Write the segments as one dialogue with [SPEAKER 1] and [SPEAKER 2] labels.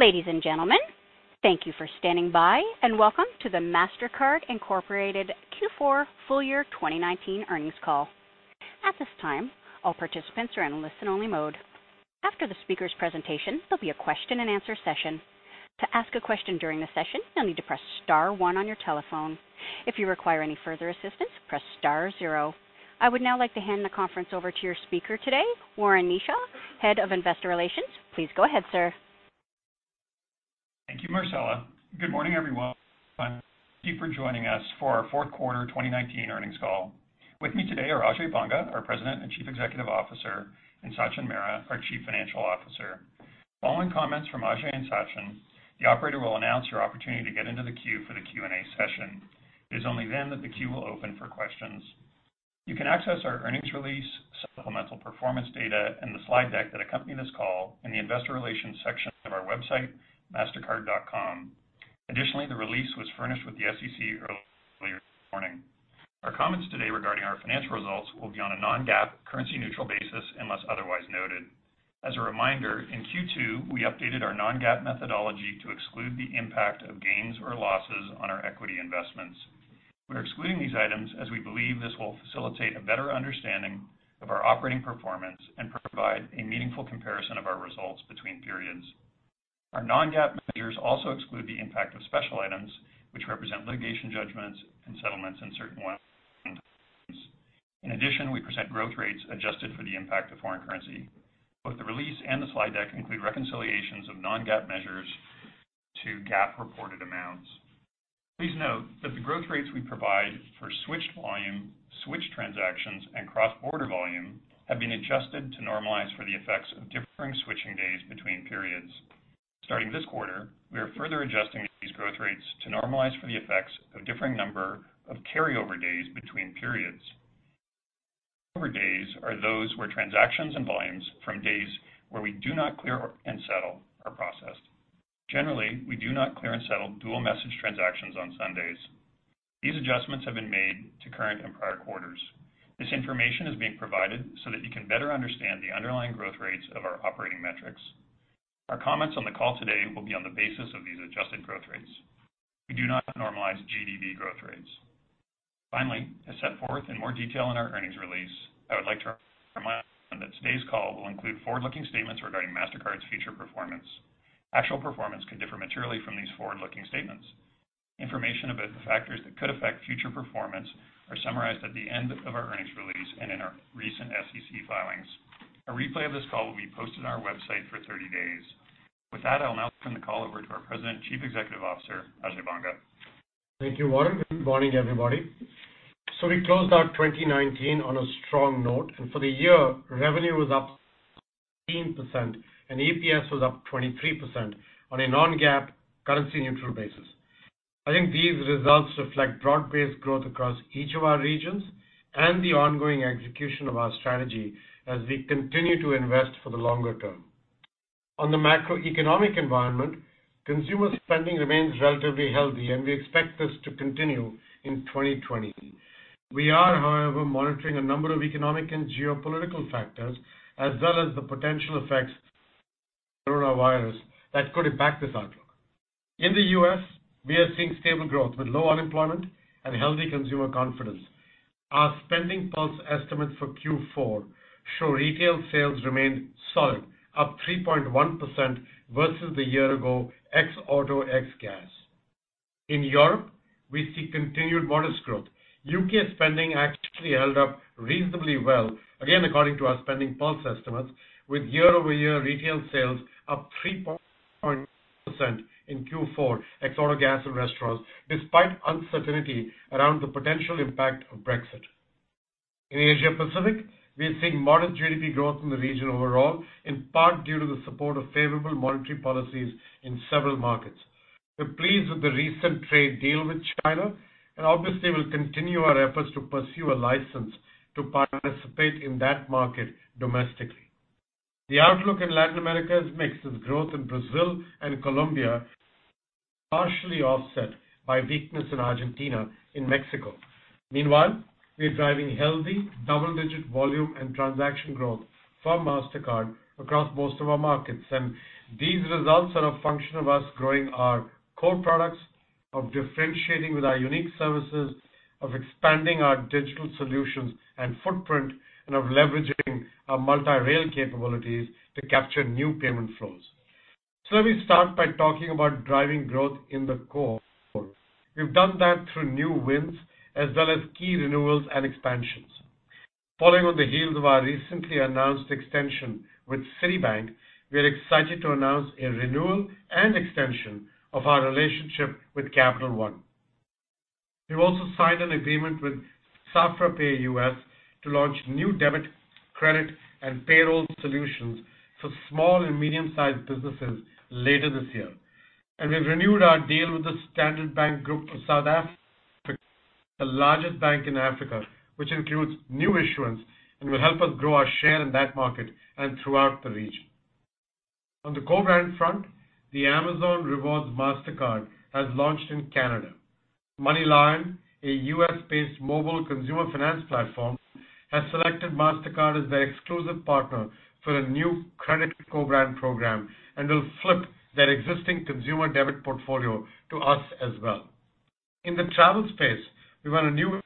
[SPEAKER 1] Ladies and gentlemen, thank you for standing by, and welcome to the Mastercard Incorporated Q4 full year 2019 earnings call. At this time, all participants are in listen-only mode. After the speaker's presentation, there'll be a question and answer session. To ask a question during the session, you'll need to press star one on your telephone. If you require any further assistance, press star zero. I would now like to hand the conference over to your speaker today, Warren Kneeshaw, Head of Investor Relations. Please go ahead, sir.
[SPEAKER 2] Thank you, Marcella. Good morning, everyone. Thank you for joining us for our fourth quarter 2019 earnings call. With me today are Ajay Banga, our President and Chief Executive Officer, and Sachin Mehra, our Chief Financial Officer. Following comments from Ajay and Sachin, the operator will announce your opportunity to get into the queue for the Q&A session. It is only then that the queue will open for questions. You can access our earnings release, supplemental performance data, and the slide deck that accompany this call in the investor relations section of our website, mastercard.com. Additionally, the release was furnished with the SEC earlier this morning. Our comments today regarding our financial results will be on a non-GAAP, currency-neutral basis unless otherwise noted. As a reminder, in Q2, we updated our non-GAAP methodology to exclude the impact of gains or losses on our equity investments. We're excluding these items as we believe this will facilitate a better understanding of our operating performance and provide a meaningful comparison of our results between periods. Our non-GAAP measures also exclude the impact of special items, which represent litigation judgments and settlements in certain volumes. We present growth rates adjusted for the impact of foreign currency. Both the release and the slide deck include reconciliations of non-GAAP measures to GAAP reported amounts. Please note that the growth rates we provide for switched volume, switched transactions, and cross-border volume have been adjusted to normalize for the effects of differing switching days between periods. Starting this quarter, we are further adjusting these growth rates to normalize for the effects of differing number of carry-over days between periods. Carry-over days are those where transactions and volumes from days where we do not clear and settle are processed. Generally, we do not clear and settle dual message transactions on Sundays. These adjustments have been made to current and prior quarters. This information is being provided so that you can better understand the underlying growth rates of our operating metrics. Our comments on the call today will be on the basis of these adjusted growth rates. We do not normalize GDV growth rates. Finally, as set forth in more detail in our earnings release, I would like to remind everyone that today's call will include forward-looking statements regarding Mastercard's future performance. Actual performance could differ materially from these forward-looking statements. Information about the factors that could affect future performance are summarized at the end of our earnings release and in our recent SEC filings. A replay of this call will be posted on our website for 30 days. With that, I'll now turn the call over to our President, Chief Executive Officer, Ajay Banga.
[SPEAKER 3] Thank you, Warren. Good morning, everybody. We closed out 2019 on a strong note, and for the year, revenue was up [18%] and EPS was up 23% on a non-GAAP currency neutral basis. I think these results reflect broad-based growth across each of our regions and the ongoing execution of our strategy as we continue to invest for the longer term. On the macroeconomic environment, consumer spending remains relatively healthy, and we expect this to continue in 2020. We are, however, monitoring a number of economic and geopolitical factors, as well as the potential effects coronavirus that could impact this outlook. In the U.S., we are seeing stable growth with low unemployment and healthy consumer confidence. Our SpendingPulse estimates for Q4 show retail sales remained solid, up 3.1% versus the year ago ex auto, ex gas. In Europe, we see continued modest growth. U.K. spending actually held up reasonably well, again, according to our SpendingPulse estimates, with year-over-year retail sales up in Q4, ex auto, gas, and restaurants, despite uncertainty around the potential impact of Brexit. In Asia Pacific, we are seeing moderate GDP growth in the region overall, in part due to the support of favorable monetary policies in several markets. We're pleased with the recent trade deal with China, and obviously, we'll continue our efforts to pursue a license to participate in that market domestically. The outlook in Latin America is mixed, with growth in Brazil and Colombia partially offset by weakness in Argentina and Mexico. Meanwhile, we are driving healthy double-digit volume and transaction growth for Mastercard across most of our markets. These results are a function of us growing our core products, of differentiating with our unique services, of expanding our digital solutions and footprint, and of leveraging our multi-rail capabilities to capture new payment flows. Let me start by talking about driving growth in the core. We've done that through new wins as well as key renewals and expansions. Following on the heels of our recently announced extension with Citibank, we are excited to announce a renewal and extension of our relationship with Capital One. We've also signed an agreement with SafraPay U.S. to launch new debit, credit, and payroll solutions for small and medium-sized businesses later this year. We've renewed our deal with the Standard Bank Group of South Africa, the largest bank in Africa, which includes new issuance and will help us grow our share in that market and throughout the region. On the co-brand front, the Amazon Rewards Mastercard has launched in Canada. MoneyLion, a U.S.-based mobile consumer finance platform, has selected Mastercard as their exclusive partner for a new credit co-brand program and will flip their existing consumer debit portfolio to us as well. In the travel space, we won a new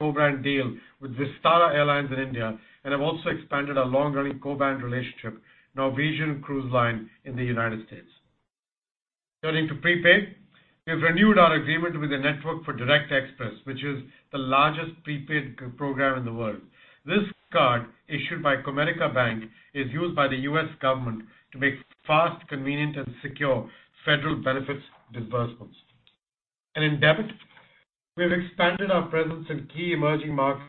[SPEAKER 3] co-brand deal with Vistara in India, and have also expanded our long-running co-brand relationship, Norwegian Cruise Line in the U.S. Turning to prepaid, we've renewed our agreement with the network for Direct Express, which is the largest prepaid program in the world. This card, issued by Comerica Bank, is used by the U.S. government to make fast, convenient, and secure federal benefits disbursements. In debit, we have expanded our presence in key emerging markets,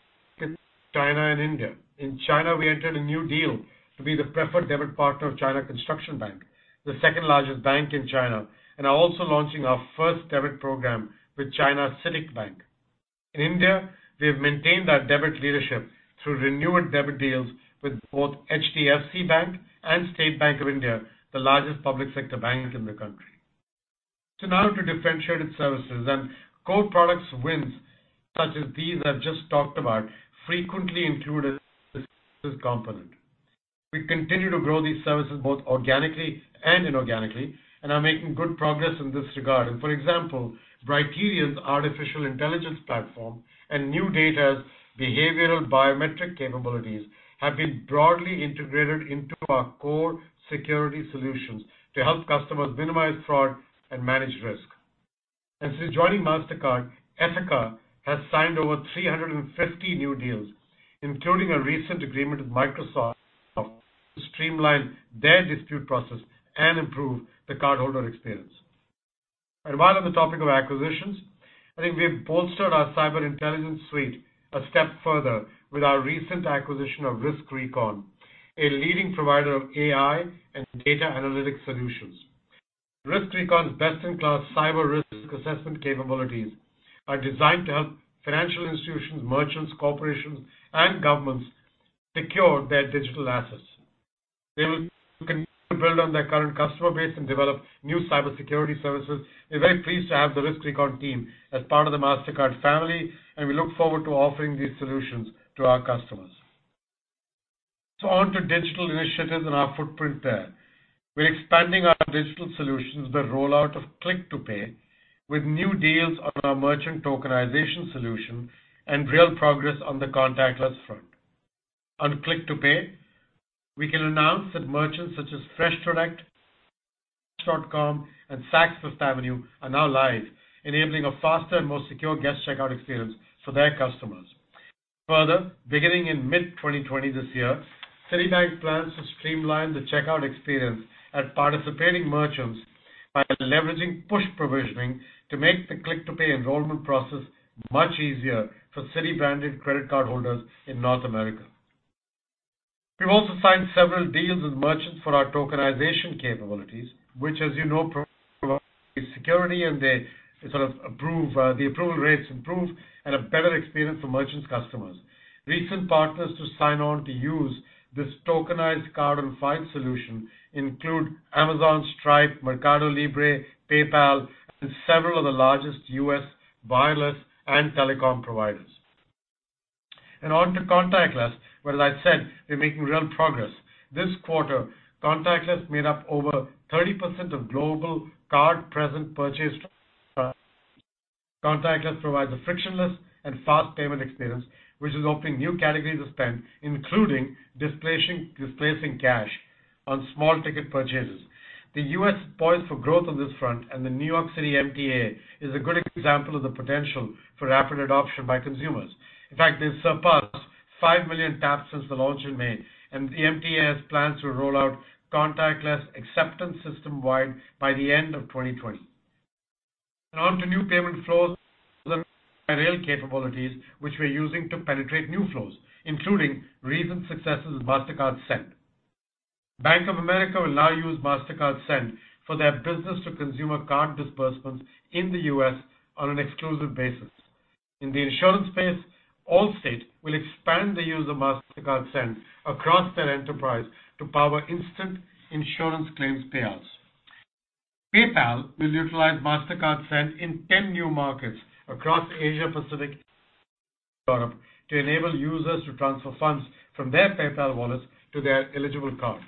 [SPEAKER 3] China and India. In China, we entered a new deal to be the preferred debit partner of China Construction Bank, the second-largest bank in China, and are also launching our first debit program with China CITIC Bank. In India, we have maintained our debit leadership through renewed debit deals with both HDFC Bank and State Bank of India, the largest public sector banks in the country. Now to differentiated services and core products wins such as these I've just talked about frequently include a services component. We continue to grow these services both organically and inorganically, and are making good progress in this regard. For example, Brighterion's artificial intelligence platform and NuData's behavioral biometric capabilities have been broadly integrated into our core security solutions to help customers minimize fraud and manage risk. Since joining Mastercard, Ethoca has signed over 350 new deals, including a recent agreement with Microsoft to streamline their dispute process and improve the cardholder experience. While on the topic of acquisitions, I think we've bolstered our cyber intelligence suite a step further with our recent acquisition of RiskRecon, a leading provider of AI and data analytic solutions. RiskRecon's best-in-class cyber risk assessment capabilities are designed to help financial institutions, merchants, corporations, and governments secure their digital assets. They will continue to build on their current customer base and develop new cybersecurity services. We're very pleased to have the RiskRecon team as part of the Mastercard family, and we look forward to offering these solutions to our customers. On to digital initiatives and our footprint there. We're expanding our digital solutions, the rollout of Click to Pay, with new deals on our merchant tokenization solution and real progress on the contactless front. On Click to Pay, we can announce that merchants such as FreshDirect, Wish.com, and Saks Fifth Avenue are now live, enabling a faster and more secure guest checkout experience for their customers. Further, beginning in mid-2020 this year, Citibank plans to streamline the checkout experience at participating merchants by leveraging push provisioning to make the Click to Pay enrollment process much easier for Citi-branded credit card holders in North America. We've also signed several deals with merchants for our tokenization capabilities, which as you know, provide security and the approval rates improve and a better experience for merchants' customers. Recent partners to sign on to use this tokenized card on file solution include Amazon, Stripe, MercadoLibre, PayPal, and several of the largest U.S. wireless and telecom providers. On to contactless, where as I said, we're making real progress. This quarter, contactless made up over 30% of global card-present purchase transactions. Contactless provides a frictionless and fast payment experience, which is opening new categories of spend, including displacing cash on small-ticket purchases. The U.S. points for growth on this front and the New York City MTA is a good example of the potential for rapid adoption by consumers. In fact, they've surpassed 5 million taps since the launch in May, and the MTA has plans to roll out contactless acceptance system-wide by the end of 2020. On to new payment flows, the rail capabilities which we're using to penetrate new flows, including recent successes with Mastercard Send. Bank of America will now use Mastercard Send for their business-to-consumer card disbursements in the U.S. on an exclusive basis. In the insurance space, Allstate will expand the use of Mastercard Send across their enterprise to power instant insurance claims payouts. PayPal will utilize Mastercard Send in 10 new markets across Asia, Pacific, and Europe to enable users to transfer funds from their PayPal wallets to their eligible cards.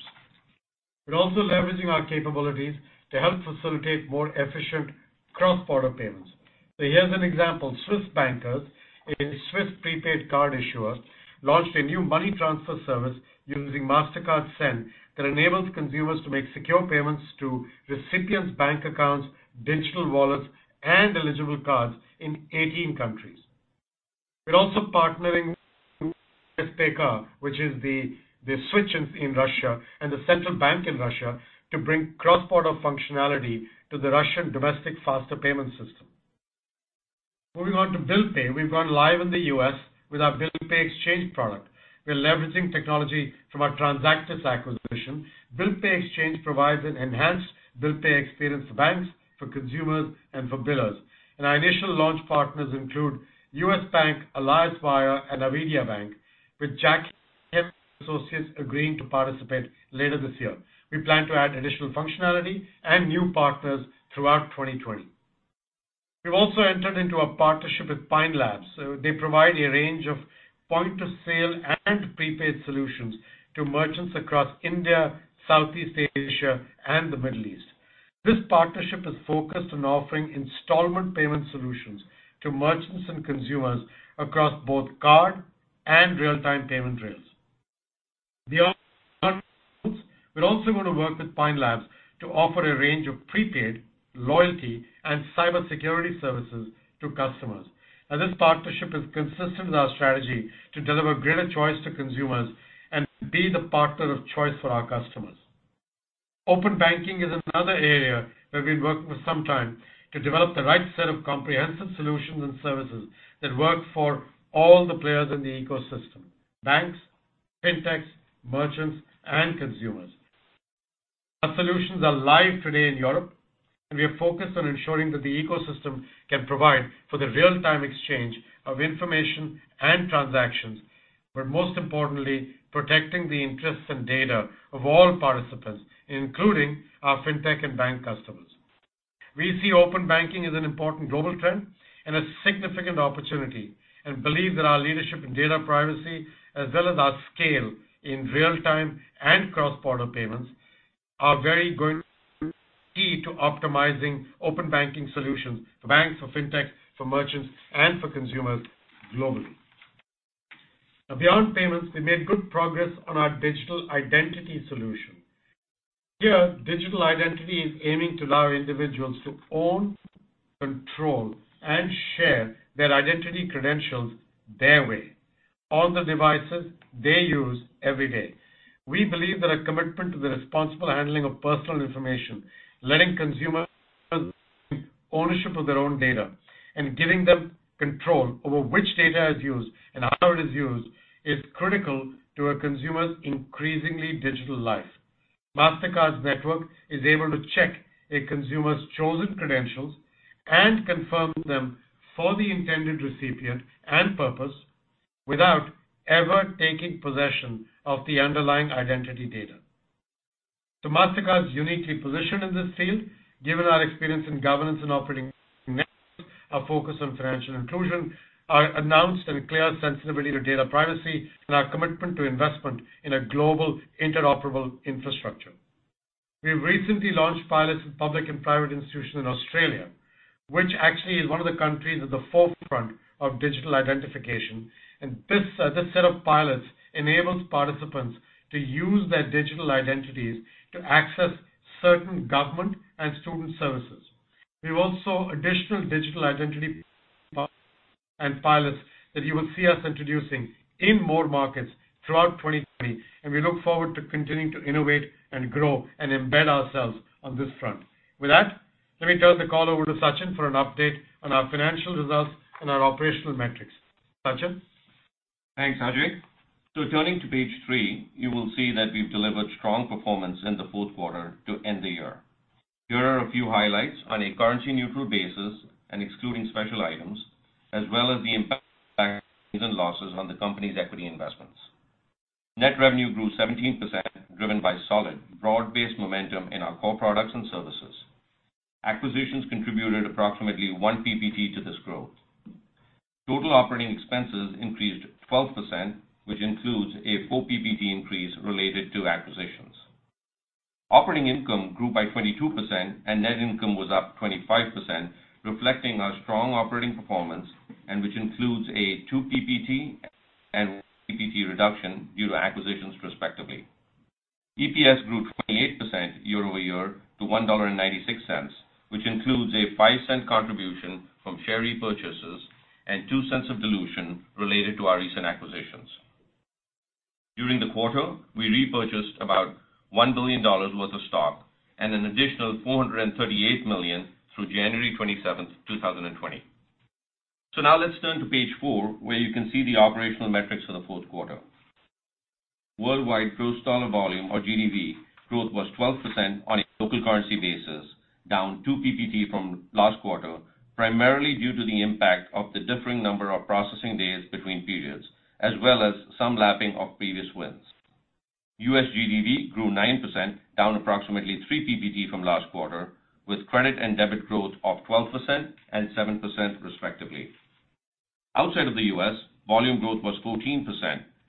[SPEAKER 3] We're also leveraging our capabilities to help facilitate more efficient cross-border payments. Here's an example. Swiss Bankers, a Swiss prepaid card issuer, launched a new money transfer service using Mastercard Send that enables consumers to make secure payments to recipients' bank accounts, digital wallets, and eligible cards in 18 countries. We're also partnering with, which is the switches in Russia and the central bank in Russia, to bring cross-border functionality to the Russian domestic faster payment system. Moving on to Bill Pay, we've gone live in the U.S. with our Bill Pay Exchange product. We are leveraging technology from our Transactis acquisition. Bill Pay Exchange provides an enhanced Bill Pay experience for banks, for consumers, and for billers. Our initial launch partners include U.S. Bank, [Ally Financial], and Avidia Bank, with [Jack Henry & Associates] agreeing to participate later this year. We plan to add additional functionality and new partners throughout 2020. We've also entered into a partnership with Pine Labs. They provide a range of point-of-sale and prepaid solutions to merchants across India, Southeast Asia, and the Middle East. This partnership is focused on offering installment payment solutions to merchants and consumers across both card and real-time payment rails. Beyond payments, we're also going to work with Pine Labs to offer a range of prepaid loyalty and cybersecurity services to customers. Now this partnership is consistent with our strategy to deliver greater choice to consumers and be the partner of choice for our customers. Open banking is another area where we've worked for some time to develop the right set of comprehensive solutions and services that work for all the players in the ecosystem, banks, fintechs, merchants, and consumers. Our solutions are live today in Europe, and we are focused on ensuring that the ecosystem can provide for the real-time exchange of information and transactions, but most importantly, protecting the interests and data of all participants, including our fintech and bank customers. We see open banking as an important global trend and a significant opportunity, and believe that our leadership in data privacy, as well as our scale in real-time and cross-border payments, are very going to be key to optimizing open banking solutions for banks, for fintech, for merchants, and for consumers globally. Now beyond payments, we made good progress on our digital identity solution. Here, digital identity is aiming to allow individuals to own, control, and share their identity credentials their way, on the devices they use every day. We believe that a commitment to the responsible handling of personal information, letting consumers ownership of their own data, and giving them control over which data is used and how it is used, is critical to a consumer's increasingly digital life. Mastercard's network is able to check a consumer's chosen credentials and confirm them for the intended recipient and purpose without ever taking possession of the underlying identity data. Mastercard is uniquely positioned in this field, given our experience in governance and operating networks, our focus on financial inclusion, our announced and clear sensibility to data privacy, and our commitment to investment in a global interoperable infrastructure. We recently launched pilots with public and private institutions in Australia, which actually is one of the countries at the forefront of digital identification. This set of pilots enables participants to use their digital identities to access certain government and student services. We have also additional digital identity pilots that you will see us introducing in more markets throughout 2020, and we look forward to continuing to innovate and grow and embed ourselves on this front. With that, let me turn the call over to Sachin for an update on our financial results and our operational metrics. Sachin?
[SPEAKER 4] Thanks, Ajay. Turning to page three, you will see that we've delivered strong performance in the fourth quarter to end the year. Here are a few highlights on a currency-neutral basis and excluding special items, as well as the impact of gains and losses on the company's equity investments. Net revenue grew 17%, driven by solid broad-based momentum in our core products and services. Acquisitions contributed approximately one PPT to this growth. Total operating expenses increased 12%, which includes a four PPT increase related to acquisitions. Operating income grew by 22% and net income was up 25%, reflecting our strong operating performance and which includes a two PPT and PPT reduction due to acquisitions, respectively. EPS grew 28% year-over-year to $1.96, which includes a $0.05 contribution from share repurchases and $0.02 of dilution related to our recent acquisitions. During the quarter, we repurchased about $1 billion worth of stock and an additional $438 million through January 27th, 2020. Now let's turn to page four, where you can see the operational metrics for the fourth quarter. Worldwide gross dollar volume or GDV growth was 12% on a local currency basis, down two PPT from last quarter, primarily due to the impact of the differing number of processing days between periods, as well as some lapping of previous wins. U.S. GDV grew 9%, down approximately three PPT from last quarter, with credit and debit growth of 12% and 7%, respectively. Outside of the U.S., volume growth was 14%,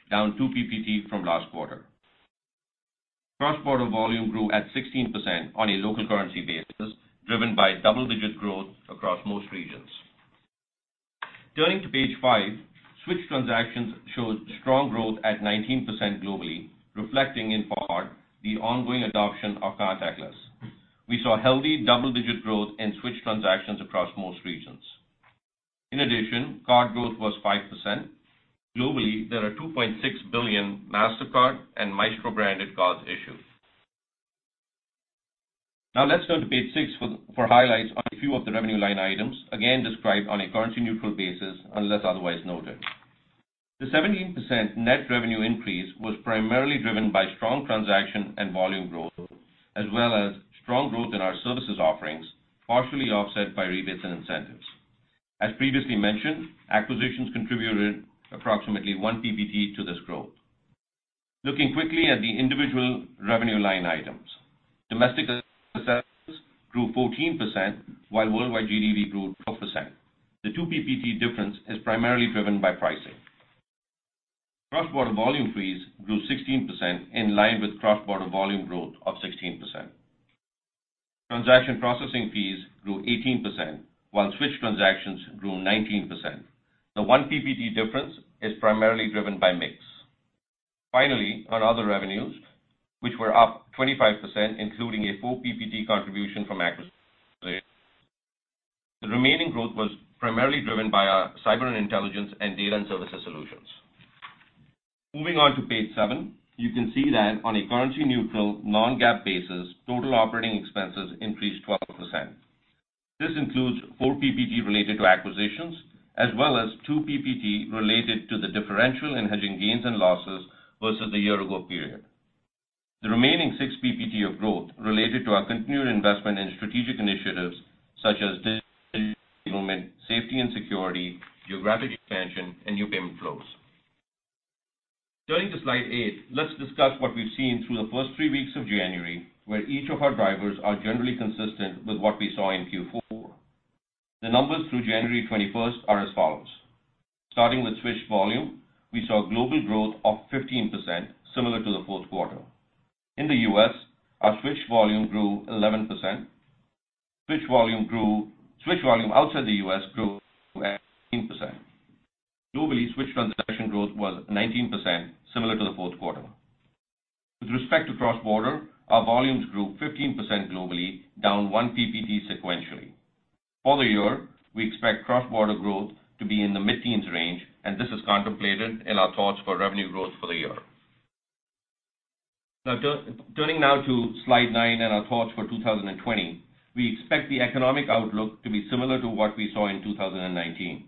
[SPEAKER 4] down two PPT from last quarter. Cross-border volume grew at 16% on a local currency basis, driven by double-digit growth across most regions. Turning to page five, switch transactions showed strong growth at 19% globally, reflecting in part the ongoing adoption of contactless. We saw healthy double-digit growth in switch transactions across most regions. In addition, card growth was 5%. Globally, there are 2.6 billion Mastercard and Maestro-branded cards issued. Now let's turn to page six for highlights on a few of the revenue line items, again described on a currency-neutral basis unless otherwise noted. The 17% net revenue increase was primarily driven by strong transaction and volume growth, as well as strong growth in our services offerings, partially offset by rebates and incentives. As previously mentioned, acquisitions contributed approximately one PPT to this growth. Looking quickly at the individual revenue line items. Domestic assessments grew 14%, while worldwide GDV grew 12%. The two PPT difference is primarily driven by pricing. Cross-border volume fees grew 16%, in line with cross-border volume growth of 16%. Transaction processing fees grew 18%, while switch transactions grew 19%. The one PPT difference is primarily driven by mix. Finally, on other revenues, which were up 25%, including a four PPT contribution from acquisitions. The remaining growth was primarily driven by our Cyber and Intelligence and Data and Services solutions. Moving on to page seven, you can see that on a currency-neutral, non-GAAP basis, total operating expenses increased 12%. This includes four PPT related to acquisitions, as well as two PPT related to the differential in hedging gains and losses versus the year-ago period. The remaining six PPT of growth related to our continued investment in strategic initiatives such as Digital Enablement, Safety and Security, Geographic Expansion, and New Payment Flows. Turning to slide eight, let's discuss what we've seen through the first three weeks of January, where each of our drivers are generally consistent with what we saw in Q4. The numbers through January 21st are as follows. Starting with switch volume, we saw global growth of 15%, similar to the fourth quarter. In the U.S., our switch volume grew 11%. Switch volume outside the U.S. grew. Globally, switch transaction growth was 19%, similar to the fourth quarter. With respect to cross-border, our volumes grew 15% globally, down one PPT sequentially. For the year, we expect cross-border growth to be in the mid-teens range, and this is contemplated in our thoughts for revenue growth for the year. Turning now to slide nine and our thoughts for 2020, we expect the economic outlook to be similar to what we saw in 2019.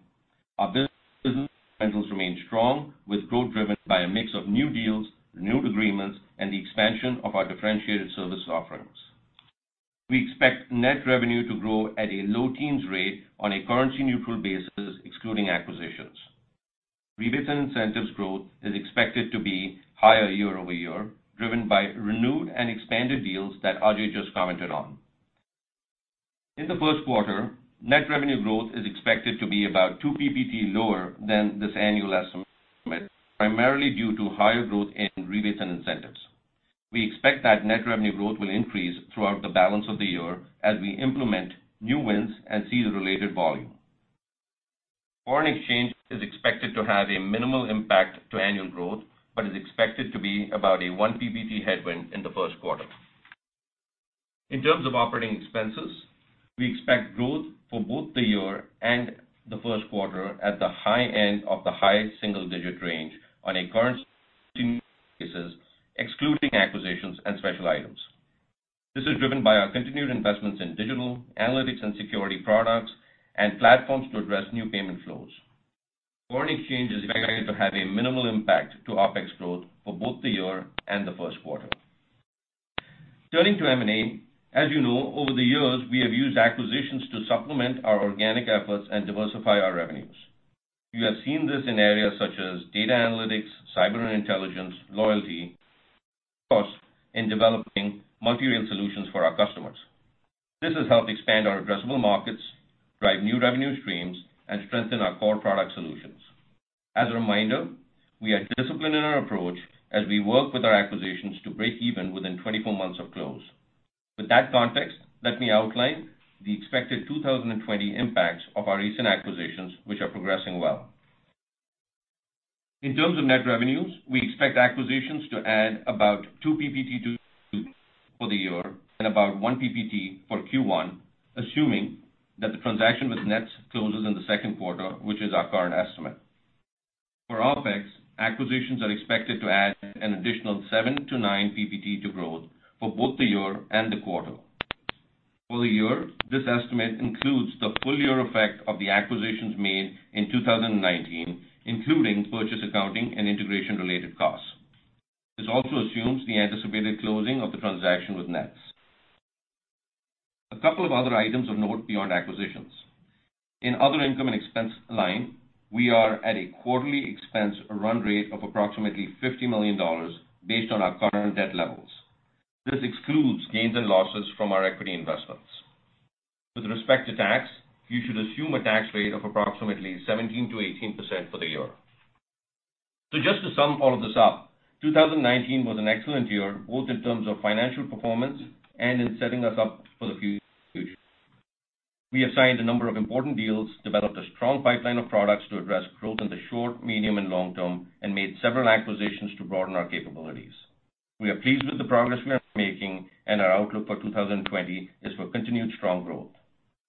[SPEAKER 4] Our business fundamentals remain strong with growth driven by a mix of new deals, renewed agreements, and the expansion of our differentiated service offerings. We expect net revenue to grow at a low teens rate on a currency-neutral basis, excluding acquisitions. Rebates and incentives growth is expected to be higher year-over-year, driven by renewed and expanded deals that Ajay just commented on. In the first quarter, net revenue growth is expected to be about two PPT lower than this annual estimate, primarily due to higher growth in rebates and incentives. We expect that net revenue growth will increase throughout the balance of the year as we implement new wins and see the related volume. Foreign exchange is expected to have a minimal impact to annual growth, but is expected to be about a one PPT headwind in the first quarter. In terms of operating expenses, we expect growth for both the year and the first quarter at the high end of the high single-digit range on a currency-neutral basis, excluding acquisitions and special items. This is driven by our continued investments in digital, analytics and security products, and platforms to address new payment flows. Foreign exchange is expected to have a minimal impact to OpEx growth for both the year and the first quarter. Turning to M&A. As you know, over the years, we have used acquisitions to supplement our organic efforts and diversify our revenues. You have seen this in areas such as data analytics, cyber intelligence, loyalty, and of course, in developing multi-rail solutions for our customers. This has helped expand our addressable markets, drive new revenue streams, and strengthen our core product solutions. As a reminder, we are disciplined in our approach as we work with our acquisitions to break even within 24 months of close. With that context, let me outline the expected 2020 impacts of our recent acquisitions, which are progressing well. In terms of net revenues, we expect acquisitions to add about two PPT for the year and about one PPT for Q1, assuming that the transaction with Nets closes in the second quarter, which is our current estimate. For OpEx, acquisitions are expected to add an additional seven to nine PPT to growth for both the year and the quarter. For the year, this estimate includes the full year effect of the acquisitions made in 2019, including purchase accounting and integration-related costs. This also assumes the anticipated closing of the transaction with Nets. A couple of other items of note beyond acquisitions. In other income and expense line, we are at a quarterly expense run rate of approximately $50 million based on our current debt levels. This excludes gains and losses from our equity investments. With respect to tax, you should assume a tax rate of approximately 17%-18% for the year. Just to sum all of this up, 2019 was an excellent year, both in terms of financial performance and in setting us up for the future. We have signed a number of important deals, developed a strong pipeline of products to address growth in the short, medium, and long term, and made several acquisitions to broaden our capabilities. We are pleased with the progress we are making, and our outlook for 2020 is for continued strong growth.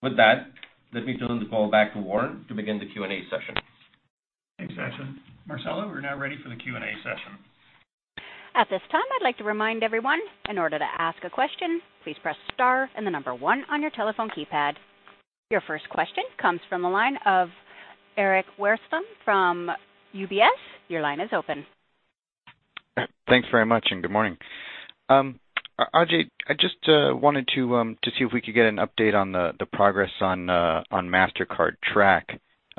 [SPEAKER 4] With that, let me turn the call back to Warren to begin the Q&A session.
[SPEAKER 2] Thanks, Sachin. Marcella, we're now ready for the Q&A session.
[SPEAKER 1] At this time, I'd like to remind everyone, in order to ask a question, please press star and the number one on your telephone keypad. Your first question comes from the line of Eric Wasserstrom from UBS. Your line is open.
[SPEAKER 5] Thanks very much. Good morning. Ajay, I just wanted to see if we could get an update on the progress on Mastercard Track,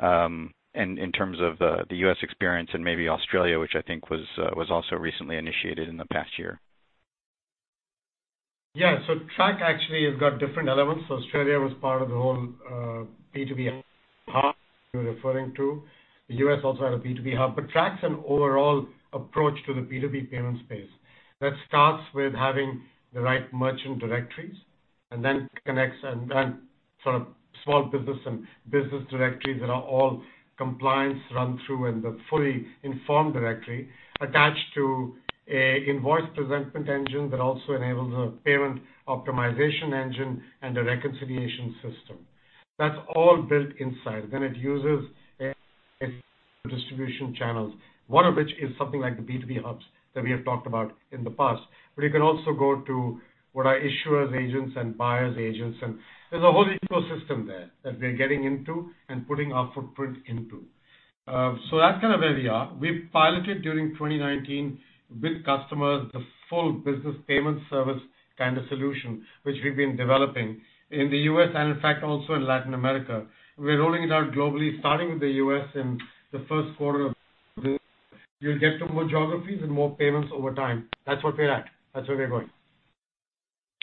[SPEAKER 5] in terms of the U.S. experience and maybe Australia, which I think was also recently initiated in the past year.
[SPEAKER 3] Yeah. Track actually has got different elements. Australia was part of the whole B2B hub you're referring to. The U.S. also had a B2B hub. Track's an overall approach to the B2B payment space that starts with having the right merchant directories and then connects small business and business directories that are all compliance run through and the fully informed directory attached to an invoice presentment engine that also enables a payment optimization engine and a reconciliation system. That's all built inside. It uses distribution channels, one of which is something like the B2B hubs that we have talked about in the past. You can also go to what are issuers agents and buyers agents, and there's a whole ecosystem there that we're getting into and putting our footprint into. That's kind of where we are. We piloted during 2019 with customers, the full business payment service kind of solution, which we've been developing in the U.S. and in fact, also in Latin America. We're rolling it out globally, starting with the U.S. in the first quarter of this year. You'll get to more geographies and more payments over time. That's what we're at, that's where we're going.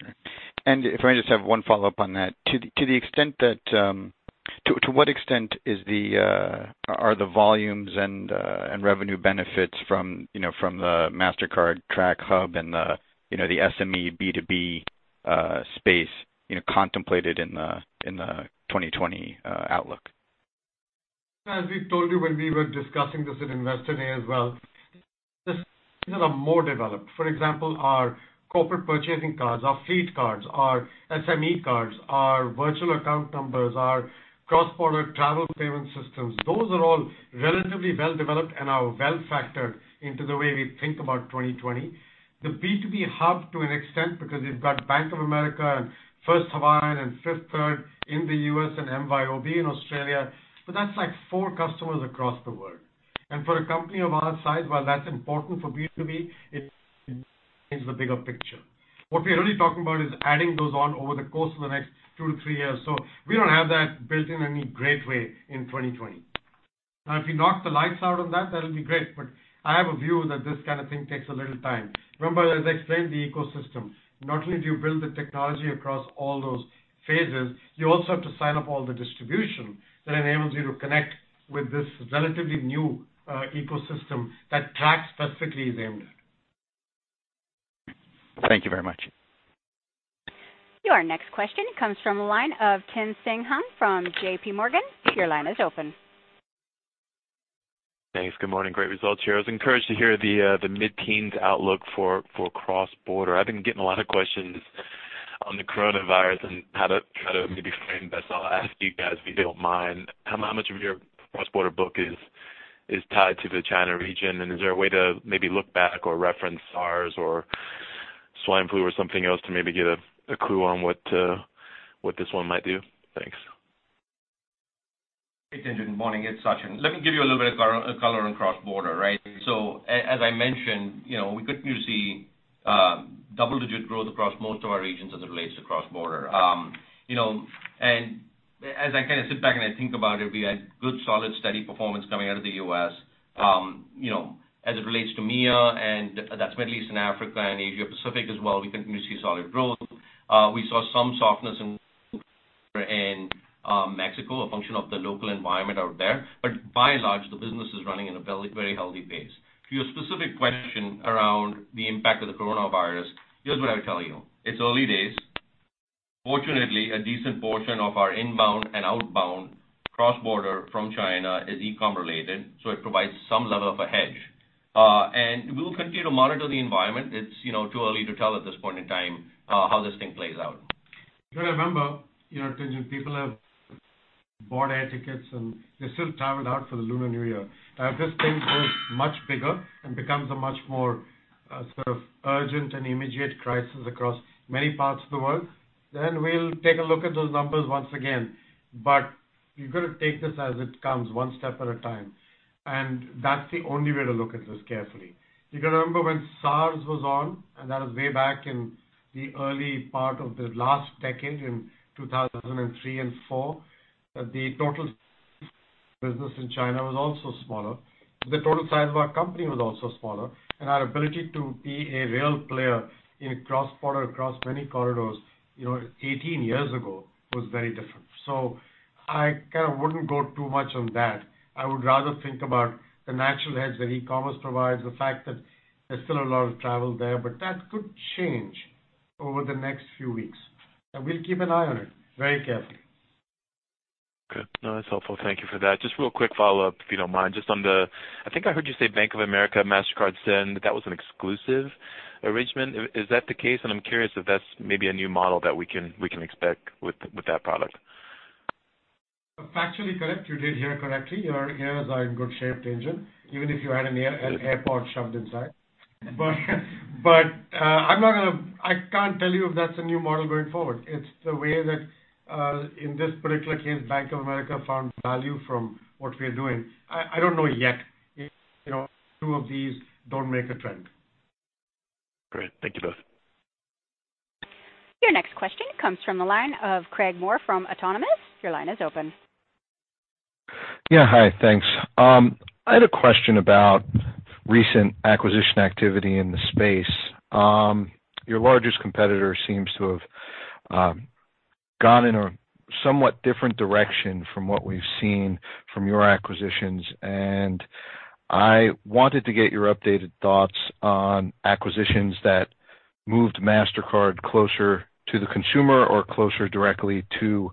[SPEAKER 5] Okay. If I just have one follow-up on that. To what extent are the volumes and revenue benefits from the Mastercard Track hub and the SME B2B space contemplated in the 2020 outlook?
[SPEAKER 3] As we've told you when we were discussing this at Investor Day as well, these are more developed. For example, our corporate purchasing cards, our fleet cards, our SME cards, our virtual account numbers, our cross-border travel payment systems. Those are all relatively well-developed and are well-factored into the way we think about 2020. The B2B hub to an extent because we've got Bank of America and First Hawaiian and Fifth Third in the U.S. and MYOB in Australia, but that's four customers across the world. For a company of our size, while that's important for B2B, it is the bigger picture. What we're really talking about is adding those on over the course of the next two to three years. We don't have that built in any great way in 2020. If you knock the lights out on that'll be great, but I have a view that this kind of thing takes a little time. Remember, as I explained, the ecosystem. Not only do you build the technology across all those phases, you also have to sign up all the distribution that enables you to connect with this relatively new ecosystem that Track specifically is aimed at.
[SPEAKER 5] Thank you very much.
[SPEAKER 1] Your next question comes from the line of Tien-tsin Huang from JPMorgan. Your line is open.
[SPEAKER 6] Thanks. Good morning. Great results here. I was encouraged to hear the mid-teens outlook for cross-border. I've been getting a lot of questions on the coronavirus and how to maybe frame this, so I'll ask you guys, if you don't mind. How much of your cross-border book is tied to the China region, and is there a way to maybe look back or reference SARS or swine flu or something else to maybe get a clue on what this one might do? Thanks.
[SPEAKER 4] Good morning. It's Sachin. Let me give you a little bit of color on cross-border. As I mentioned, we continue to see double-digit growth across most of our regions as it relates to cross-border. As I sit back and I think about it, we had good, solid, steady performance coming out of the U.S. As it relates to MEA, that's Middle East and Africa, Asia Pacific as well, we continue to see solid growth. We saw some softness in Mexico, a function of the local environment out there. By and large, the business is running in a very healthy pace. To your specific question around the impact of the coronavirus, here's what I would tell you. It's early days. Fortunately, a decent portion of our inbound and outbound cross-border from China is e-com related, it provides some level of a hedge. We will continue to monitor the environment. It's too early to tell at this point in time how this thing plays out.
[SPEAKER 3] You got to remember, Tien-tsin, people have bought air tickets, and they're still traveling out for the Lunar New Year. If this thing goes much bigger and becomes a much more sort of urgent and immediate crisis across many parts of the world, we'll take a look at those numbers once again. You've got to take this as it comes, one step at a time, and that's the only way to look at this carefully. You got to remember when SARS was on, and that was way back in the early part of the last decade in 2003 and 2004, the total business in China was also smaller. The total size of our company was also smaller, and our ability to be a real player in cross-border, across many corridors 18 years ago was very different. I wouldn't go too much on that. I would rather think about the natural hedge that e-commerce provides, the fact that there's still a lot of travel there, but that could change over the next few weeks, and we'll keep an eye on it very carefully.
[SPEAKER 6] Okay. No, that's helpful. Thank you for that. Just real quick follow-up, if you don't mind. I think I heard you say Bank of America, Mastercard Send, that that was an exclusive arrangement. Is that the case? I'm curious if that's maybe a new model that we can expect with that product.
[SPEAKER 3] Factually correct. You did hear correctly. Your ears are in good shape, Tien-tsin, even if you had an AirPods shoved inside. I can't tell you if that's a new model going forward. It's the way that, in this particular case, Bank of America found value from what we are doing. I don't know yet. Two of these don't make a trend.
[SPEAKER 6] Great. Thank you both.
[SPEAKER 1] Your next question comes from the line of Craig Maurer from Autonomous. Your line is open.
[SPEAKER 7] Yeah. Hi. Thanks. I had a question about recent acquisition activity in the space. Your largest competitor seems to have gone in a somewhat different direction from what we've seen from your acquisitions, and I wanted to get your updated thoughts on acquisitions that moved Mastercard closer to the consumer or closer directly to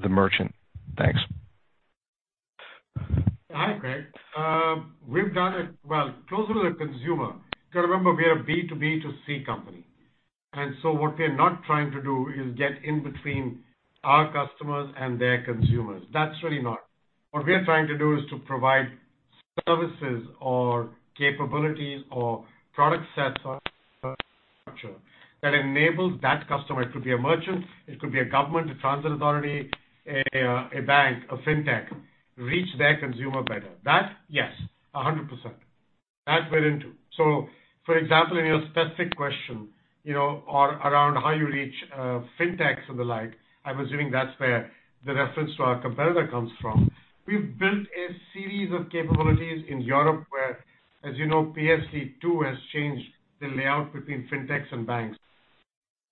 [SPEAKER 7] the merchant. Thanks.
[SPEAKER 3] Hi, Craig. We've done it, well, closer to the consumer. Remember, we are B2B2C company. What we're not trying to do is get in between our customers and their consumers. That's really not. What we are trying to do is to provide services or capabilities or product sets or infrastructure that enables that customer, it could be a merchant, it could be a government, a transit authority, a bank, a fintech, reach their consumer better. That, yes, 100%. That we're into. For example, in your specific question, around how you reach fintechs and the like, I'm assuming that's where the reference to our competitor comes from. We've built a series of capabilities in Europe where, as you know, PSD2 has changed the layout between fintechs and banks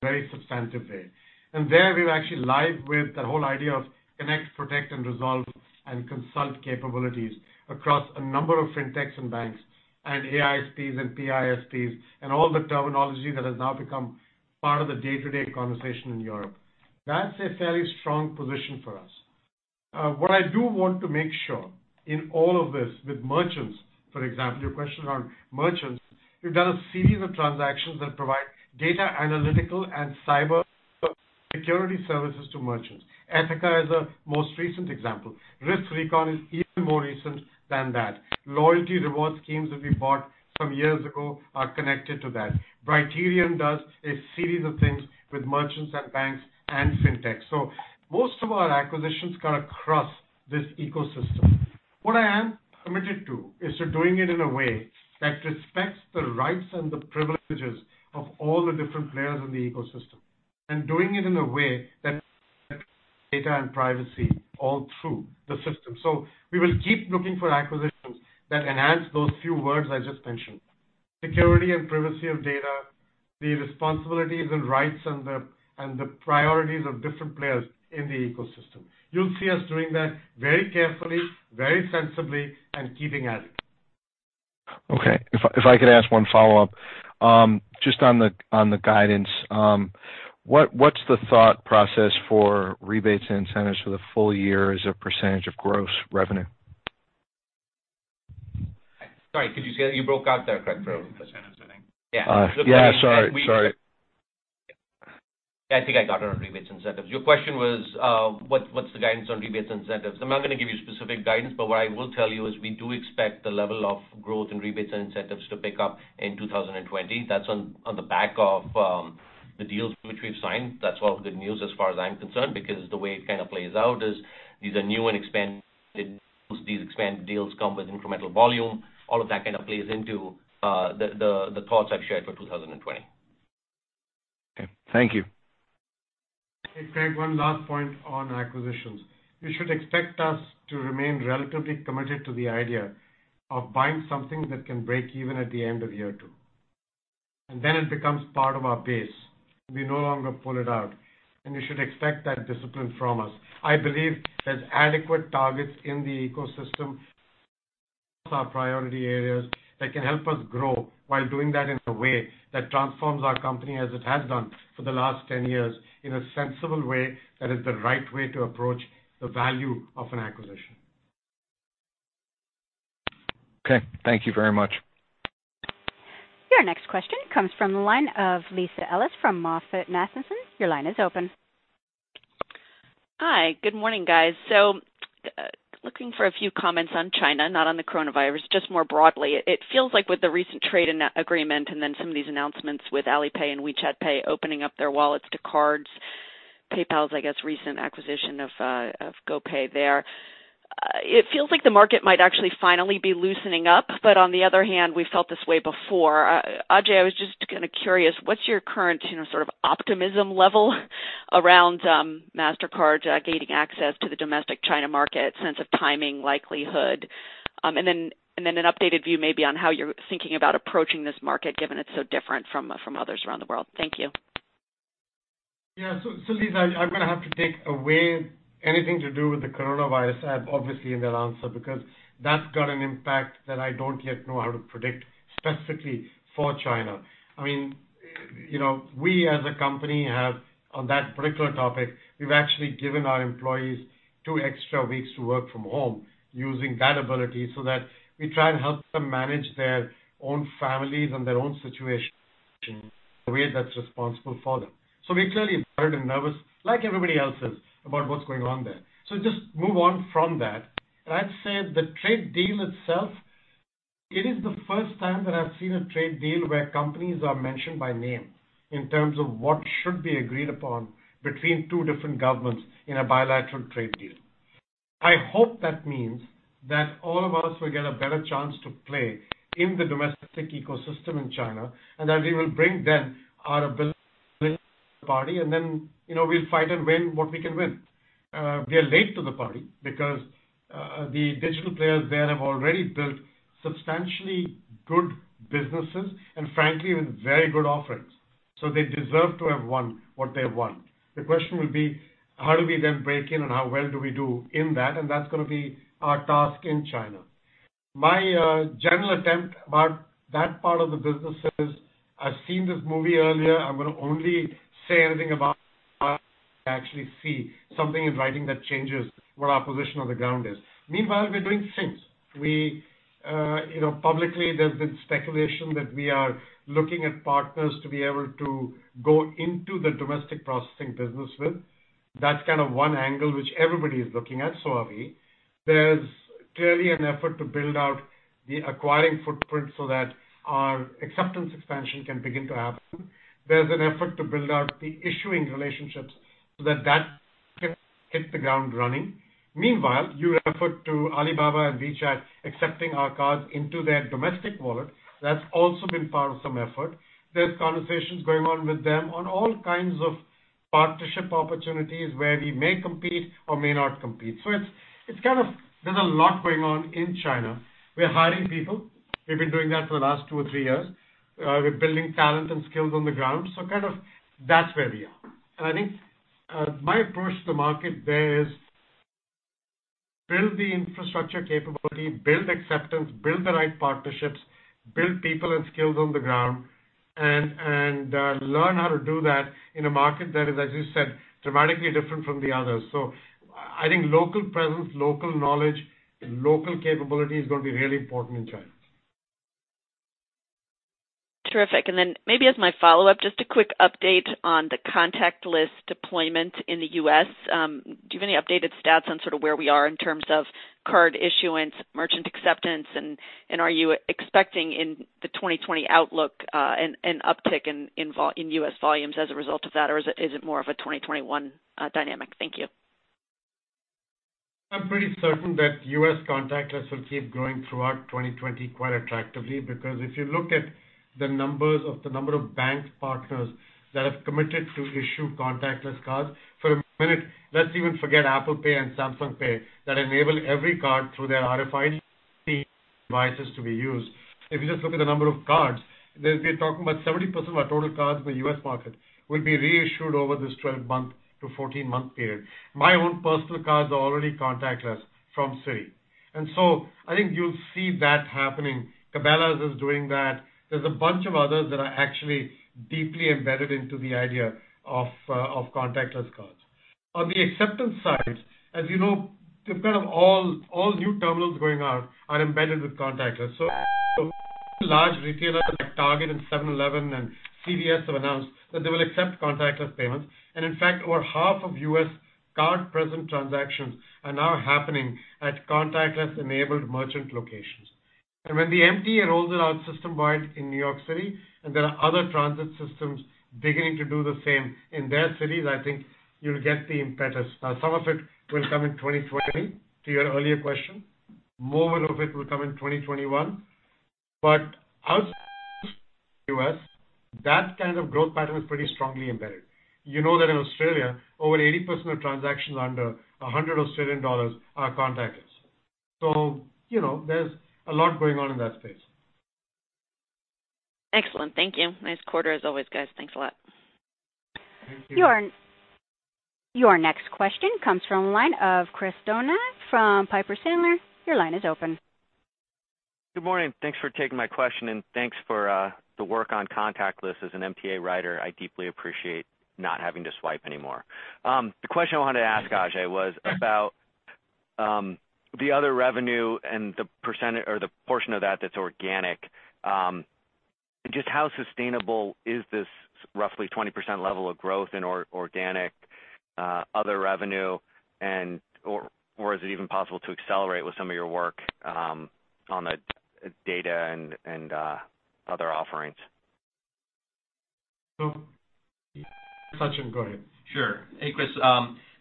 [SPEAKER 3] in a very substantive way. There we're actually live with the whole idea of connect, protect, and resolve, and consult capabilities across a number of fintechs and banks and AISPs and PISPs and all the terminology that has now become part of the day-to-day conversation in Europe. That's a fairly strong position for us. What I do want to make sure in all of this with merchants, for example, your question around merchants. We've done a series of transactions that provide data analytical and cybersecurity services to merchants. Ethoca is the most recent example. RiskRecon is even more recent than that. Loyalty reward schemes that we bought some years ago are connected to that. Brighterion does a series of things with merchants and banks and fintech. Most of our acquisitions cut across this ecosystem. What I am committed to is to doing it in a way that respects the rights and the privileges of all the different players in the ecosystem, and doing it in a way that data and privacy all through the system. We will keep looking for acquisitions that enhance those few words I just mentioned, security and privacy of data, the responsibilities and rights and the priorities of different players in the ecosystem. You'll see us doing that very carefully, very sensibly, and keeping at it.
[SPEAKER 7] Okay. If I could ask one follow-up. Just on the guidance. What's the thought process for rebates and incentives for the full year as a percentage of gross revenue?
[SPEAKER 4] Sorry, could you say that? You broke out there, Craig.
[SPEAKER 7] Yeah. Sorry.
[SPEAKER 4] I think I got it on rebates incentives. Your question was, what's the guidance on rebates incentives? I'm not going to give you specific guidance, but what I will tell you is we do expect the level of growth in rebates and incentives to pick up in 2020. That's on the back of the deals which we've signed. That's all good news as far as I'm concerned because the way it plays out is these are new and expanded deals. These expanded deals come with incremental volume. All of that plays into the thoughts I've shared for 2020.
[SPEAKER 7] Okay. Thank you.
[SPEAKER 3] Hey, Craig, one last point on acquisitions. You should expect us to remain relatively committed to the idea of buying something that can break even at the end of year two. Then it becomes part of our base. We no longer pull it out, you should expect that discipline from us. I believe there's adequate targets in the ecosystem, plus our priority areas that can help us grow while doing that in a way that transforms our company as it has done for the last 10 years in a sensible way that is the right way to approach the value of an acquisition.
[SPEAKER 7] Okay. Thank you very much.
[SPEAKER 1] Your next question comes from the line of Lisa Ellis from MoffettNathanson. Your line is open.
[SPEAKER 8] Hi. Good morning, guys. Looking for a few comments on China, not on the coronavirus, just more broadly. It feels like with the recent trade agreement and then some of these announcements with Alipay and WeChat Pay opening up their wallets to cards, PayPal's, I guess, recent acquisition of GoPay there. It feels like the market might actually finally be loosening up. On the other hand, we've felt this way before. Ajay, I was just curious, what's your current optimism level around Mastercard gaining access to the domestic China market, sense of timing, likelihood? An updated view maybe on how you're thinking about approaching this market, given it's so different from others around the world. Thank you.
[SPEAKER 3] Yeah. Lisa, I'm going to have to take away anything to do with the coronavirus obviously in that answer, because that's got an impact that I don't yet know how to predict specifically for China. We as a company have, on that particular topic, we've actually given our employees two extra weeks to work from home using that ability so that we try and help them manage their own families and their own situation. In a way that's responsible for them. We're clearly worried and nervous, like everybody else is about what's going on there. Just move on from that. I'd say the trade deal itself, it is the first time that I've seen a trade deal where companies are mentioned by name in terms of what should be agreed upon between two different governments in a bilateral trade deal. I hope that means that all of us will get a better chance to play in the domestic ecosystem in China, and that we will bring then our ability to the party, and then we'll fight and win what we can win. We are late to the party because the digital players there have already built substantially good businesses and frankly, with very good offerings. They deserve to have won what they have won. The question will be, how do we then break in and how well do we do in that? That's going to be our task in China. My general attempt about that part of the business is, I've seen this movie earlier. I'm going to only say anything about it when I actually see something in writing that changes what our position on the ground is. Meanwhile, we're doing things. Publicly, there's been speculation that we are looking at partners to be able to go into the domestic processing business with. That's kind of one angle which everybody is looking at. So are we. There's clearly an effort to build out the acquiring footprint so that our acceptance expansion can begin to happen. There's an effort to build out the issuing relationships so that that can hit the ground running. Meanwhile, your effort to Alibaba and WeChat accepting our cards into their domestic wallet, that's also been part of some effort. There's conversations going on with them on all kinds of partnership opportunities where we may compete or may not compete. There's a lot going on in China. We're hiring people. We've been doing that for the last two or three years. We're building talent and skills on the ground. Kind of that's where we are. I think my approach to the market there is build the infrastructure capability, build acceptance, build the right partnerships, build people and skills on the ground, and learn how to do that in a market that is, as you said, dramatically different from the others. I think local presence, local knowledge, local capability is going to be really important in China.
[SPEAKER 8] Terrific. Maybe as my follow-up, just a quick update on the contactless deployment in the U.S. Do you have any updated stats on sort of where we are in terms of card issuance, merchant acceptance, and are you expecting in the 2020 outlook an uptick in U.S. volumes as a result of that? Or is it more of a 2021 dynamic? Thank you.
[SPEAKER 3] I'm pretty certain that U.S. contactless will keep growing throughout 2020 quite attractively because if you look at the numbers of the number of bank partners that have committed to issue contactless cards for a minute, let's even forget Apple Pay and Samsung Pay that enable every card through their RFID devices to be used. If you just look at the number of cards, they're talking about 70% of our total cards in the U.S. market will be reissued over this 12-month to 14-month period. My own personal cards are already contactless from Citi. I think you'll see that happening. Cabela's is doing that. There's a bunch of others that are actually deeply embedded into the idea of contactless cards. On the acceptance side, as you know, kind of all new terminals going out are embedded with contactless. Large retailers like Target and 7-Eleven and CVS have announced that they will accept contactless payments. In fact, over half of U.S. card-present transactions are now happening at contactless-enabled merchant locations. When the MTA rolls it out system-wide in New York City, and there are other transit systems beginning to do the same in their cities, I think you'll get the impetus. Now, some of it will come in 2020, to your earlier question. More of it will come in 2021. Outside U.S., that kind of growth pattern is pretty strongly embedded. You know that in Australia, over 80% of transactions under 100 Australian dollars are contactless. There's a lot going on in that space.
[SPEAKER 8] Excellent. Thank you. Nice quarter as always, guys. Thanks a lot.
[SPEAKER 3] Thank you.
[SPEAKER 1] Your next question comes from the line of Chris Donat from Piper Sandler. Your line is open.
[SPEAKER 9] Good morning. Thanks for taking my question, and thanks for the work on contactless. As an MTA rider, I deeply appreciate not having to swipe anymore. The question I wanted to ask Ajay was about the other revenue and the portion of that that's organic. Just how sustainable is this roughly 20% level of growth in organic other revenue? Is it even possible to accelerate with some of your work on the data and other offerings?
[SPEAKER 3] Sachin, go ahead.
[SPEAKER 4] Sure.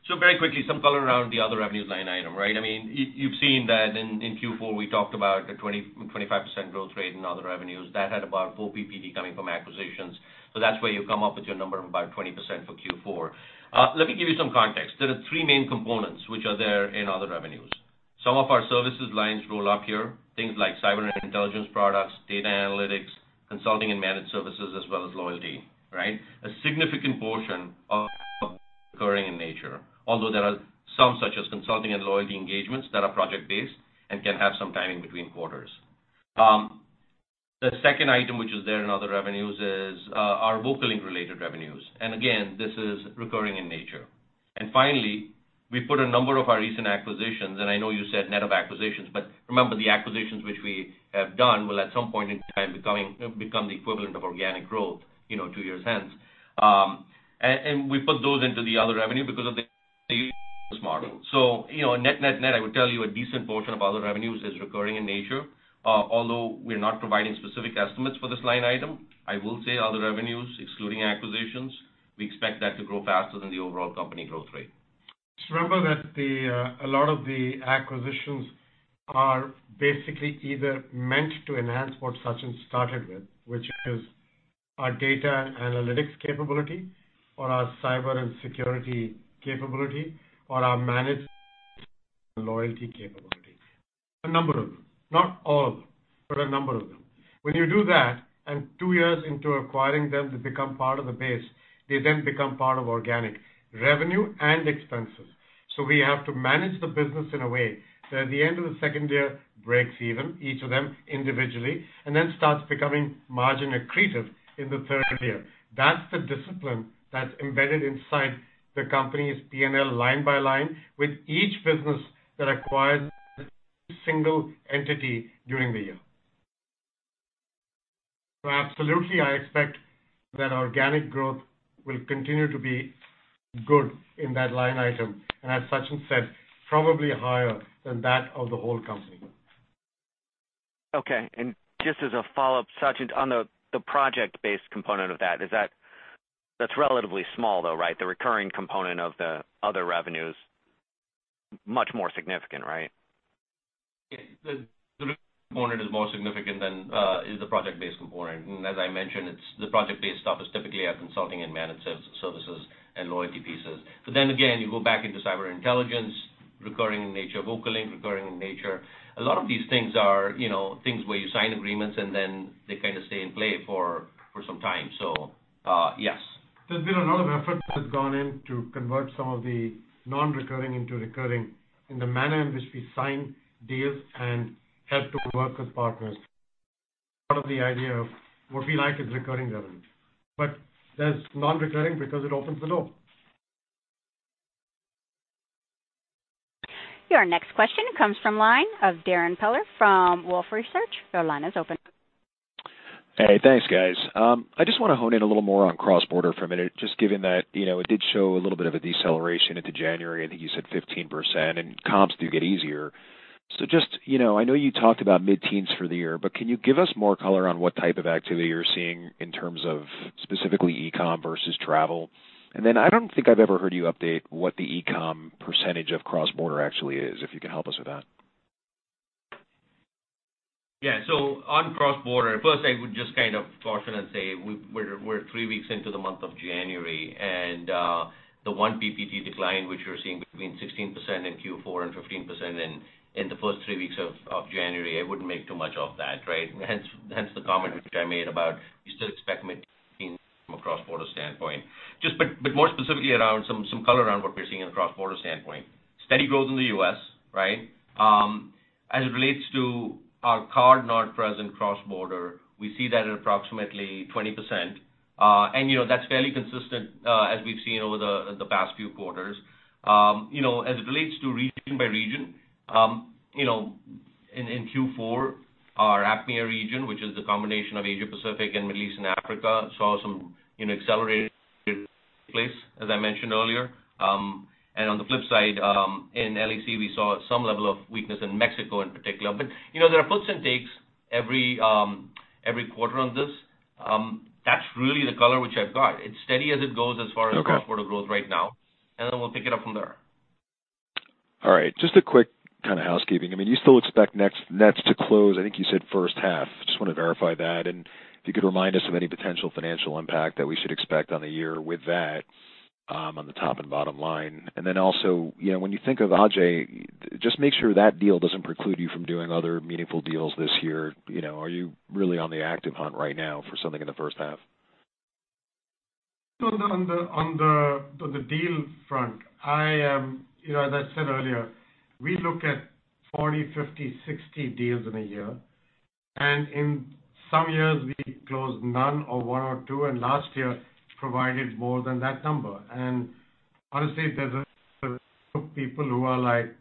[SPEAKER 4] Hey, Chris. Very quickly, some color around the other revenues line item, right? You've seen that in Q4, we talked about a 25% growth rate in other revenues. That had about four PPT coming from acquisitions. That's where you come up with your number of about 20% for Q4. Let me give you some context. There are three main components which are there in other revenues. Some of our services lines roll up here. Things like cyber and intelligence products, data analytics, consulting and managed services, as well as loyalty. Right? A significant portion of recurring in nature, although there are some such as consulting and loyalty engagements that are project-based and can have some timing between quarters. The second item, which is there in other revenues, is our VocaLink-related revenues. Again, this is recurring in nature. Finally, we put a number of our recent acquisitions, and I know you said net of acquisitions, but remember the acquisitions which we have done will at some point in time become the equivalent of organic growth, two years hence. We put those into the other revenue because of the model. Net-net, I would tell you a decent portion of other revenues is recurring in nature. Although we're not providing specific estimates for this line item, I will say other revenues, excluding acquisitions, we expect that to grow faster than the overall company growth rate.
[SPEAKER 3] Just remember that a lot of the acquisitions are basically either meant to enhance what Sachin started with, which is our data analytics capability or our cyber and security capability, or our managed loyalty capability. A number of them, not all of them, but a number of them. When you do that, and two years into acquiring them, they become part of the base, they then become part of organic revenue and expenses. We have to manage the business in a way that at the end of the second year, breaks even, each of them individually, and then starts becoming margin accretive in the third year. That's the discipline that's embedded inside the company's P&L line by line with each business that acquires single entity during the year. Absolutely, I expect that organic growth will continue to be good in that line item, and as Sachin said, probably higher than that of the whole company.
[SPEAKER 9] Okay, and just as a follow-up, Sachin, on the project-based component of that's relatively small though, right? The recurring component of the other revenue is much more significant, right?
[SPEAKER 4] Yeah. The recurring component is more significant than is the project-based component. As I mentioned, the project-based stuff is typically our consulting and managed services and loyalty pieces. Again, you go back into cyber intelligence, recurring in nature, VocaLink, recurring in nature. A lot of these things are things where you sign agreements and then they kind of stay in play for some time. Yes.
[SPEAKER 3] There's been a lot of effort that has gone in to convert some of the non-recurring into recurring in the manner in which we sign deals and have those workers partners. Part of the idea of what we like is recurring revenue. That's non-recurring because it opens the door.
[SPEAKER 1] Your next question comes from line of Darrin Peller from Wolfe Research. Your line is open.
[SPEAKER 10] Hey, thanks guys. I just want to hone in a little more on cross-border for a minute, just given that it did show a little bit of a deceleration into January, I think you said 15%, and comps do get easier. Just, I know you talked about mid-teens for the year, but can you give us more color on what type of activity you're seeing in terms of specifically e-com versus travel? Then I don't think I've ever heard you update what the e-com percentage of cross-border actually is, if you can help us with that.
[SPEAKER 4] Yeah. On cross-border, first I would just kind of caution and say we're three weeks into the month of January, and the one PPT decline which we're seeing between 16% in Q4 and 15% in the first three weeks of January, I wouldn't make too much of that. Right. Hence the comment which I made about you still expect mid-teens from a cross-border standpoint. Just bit more specifically around some color around what we're seeing in cross-border standpoint. Steady growth in the U.S., right. As it relates to our card not present cross-border, we see that at approximately 20%. That's fairly consistent, as we've seen over the past few quarters. As it relates to region by region, in Q4, our APMEA region, which is the combination of Asia-Pacific and Middle East and Africa, saw some accelerated pace, as I mentioned earlier. On the flip side, in LAC, we saw some level of weakness in Mexico in particular. There are puts and takes every quarter on this. That's really the color which I've got. It's steady as it goes as far as-
[SPEAKER 10] Okay
[SPEAKER 4] cross-border growth right now, and then we'll pick it up from there.
[SPEAKER 10] All right. Just a quick kind of housekeeping. You still expect Nets to close, I think you said first half. Just want to verify that, and if you could remind us of any potential financial impact that we should expect on the year with that, on the top and bottom line. When you think of, Ajay, just make sure that deal doesn't preclude you from doing other meaningful deals this year. Are you really on the active hunt right now for something in the first half?
[SPEAKER 3] On the deal front, as I said earlier, we look at 40, 50, 60 deals in a year. In some years we closed none or one or two, and last year provided more than that number. Honestly, there's a people who are like,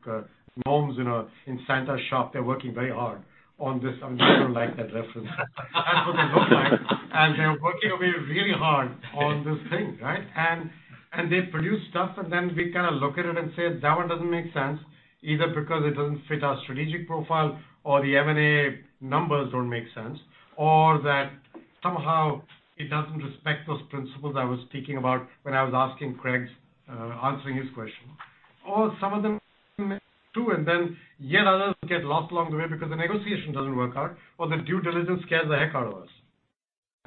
[SPEAKER 3] gnomes in Santa's shop. They're working very hard on this. I'm not sure I like that reference. That's what they look like. They're working away really hard on this thing, right? They produce stuff, and then we kind of look at it and say, "That one doesn't make sense," either because it doesn't fit our strategic profile or the M&A numbers don't make sense, or that somehow it doesn't respect those principles I was speaking about when I was answering Craig's question. Some of them too, and then yet others get lost along the way because the negotiation doesn't work out, or the due diligence scares the heck out of us.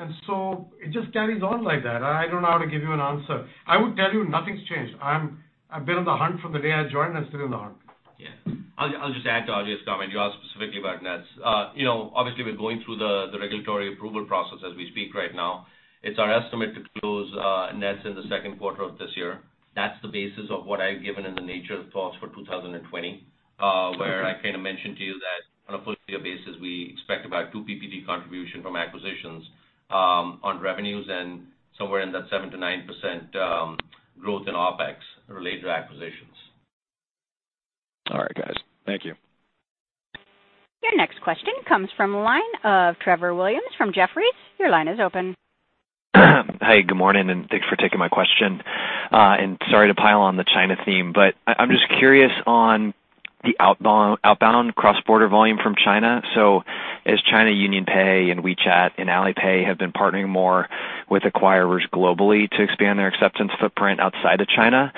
[SPEAKER 3] It just carries on like that. I don't know how to give you an answer. I would tell you nothing's changed. I've been on the hunt from the day I joined, I'm still on the hunt.
[SPEAKER 4] Yeah. I'll just add to Ajay's comment. You asked specifically about Nets. Obviously, we're going through the regulatory approval process as we speak right now. It's our estimate to close Nets in the second quarter of this year. That's the basis of what I've given in the nature of thoughts for 2020. Where I kind of mentioned to you that on a full-year basis, we expect about two PPT contribution from acquisitions on revenues and somewhere in that 7%-9% growth in OpEx related to acquisitions.
[SPEAKER 10] All right, guys. Thank you.
[SPEAKER 1] Your next question comes from the line of Trevor Williams from Jefferies. Your line is open.
[SPEAKER 11] Hi, good morning, thanks for taking my question. Sorry to pile on the China theme, but I'm just curious on the outbound cross-border volume from China. As China UnionPay and WeChat and Alipay have been partnering more with acquirers globally to expand their acceptance footprint outside of China,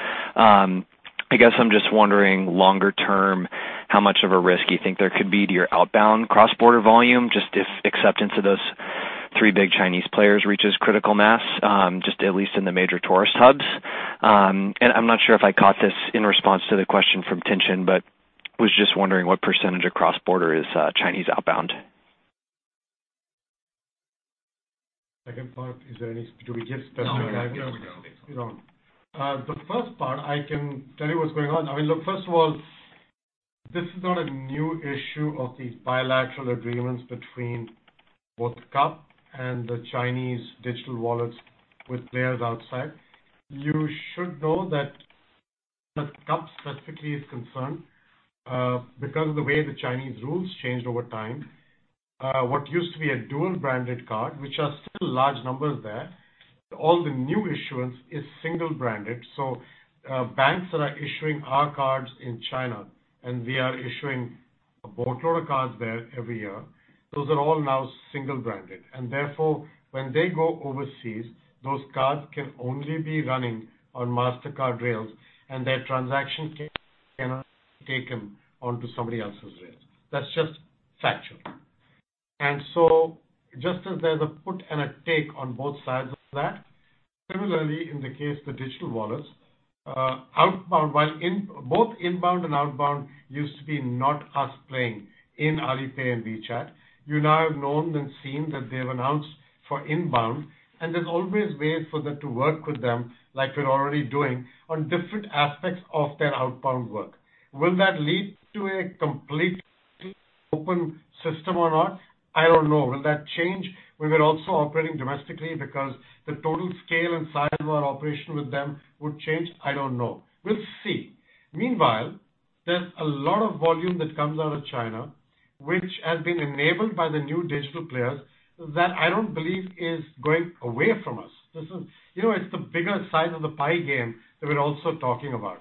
[SPEAKER 11] I guess I'm just wondering longer term, how much of a risk you think there could be to your outbound cross-border volume, just if acceptance of those three big Chinese players reaches critical mass, just at least in the major tourist hubs. I'm not sure if I caught this in response to the question from Tien-tsin, but was just wondering what percentage of cross-border is Chinese outbound.
[SPEAKER 3] Second part, Do we just.
[SPEAKER 4] No. Here we go.
[SPEAKER 3] The first part I can tell you what's going on. I mean, look, first of all, this is not a new issue of these bilateral agreements between both [CUP] and the Chinese digital wallets with players outside. You should know that the [CUP] specifically is concerned because of the way the Chinese rules changed over time. What used to be a dual-branded card, which are still large numbers there, all the new issuance is single branded. Banks that are issuing our cards in China, and we are issuing a boatload of cards there every year. Those are all now single branded. Therefore, when they go overseas, those cards can only be running on Mastercard rails, and their transaction cannot be taken onto somebody else's rails. That's just factual. Just as there's a put and a take on both sides of that, similarly in the case of the digital wallets, both inbound and outbound used to be not us playing in Alipay and WeChat. You now have known and seen that they've announced for inbound, and there's always ways for them to work with them, like we're already doing on different aspects of their outbound work. Will that lead to a completely open system or not? I don't know. Will that change the way we're also operating domestically because the total scale and size of our operation with them would change? I don't know. We'll see. Meanwhile, there's a lot of volume that comes out of China, which has been enabled by the new digital players that I don't believe is going away from us. It's the bigger size of the pie game that we're also talking about.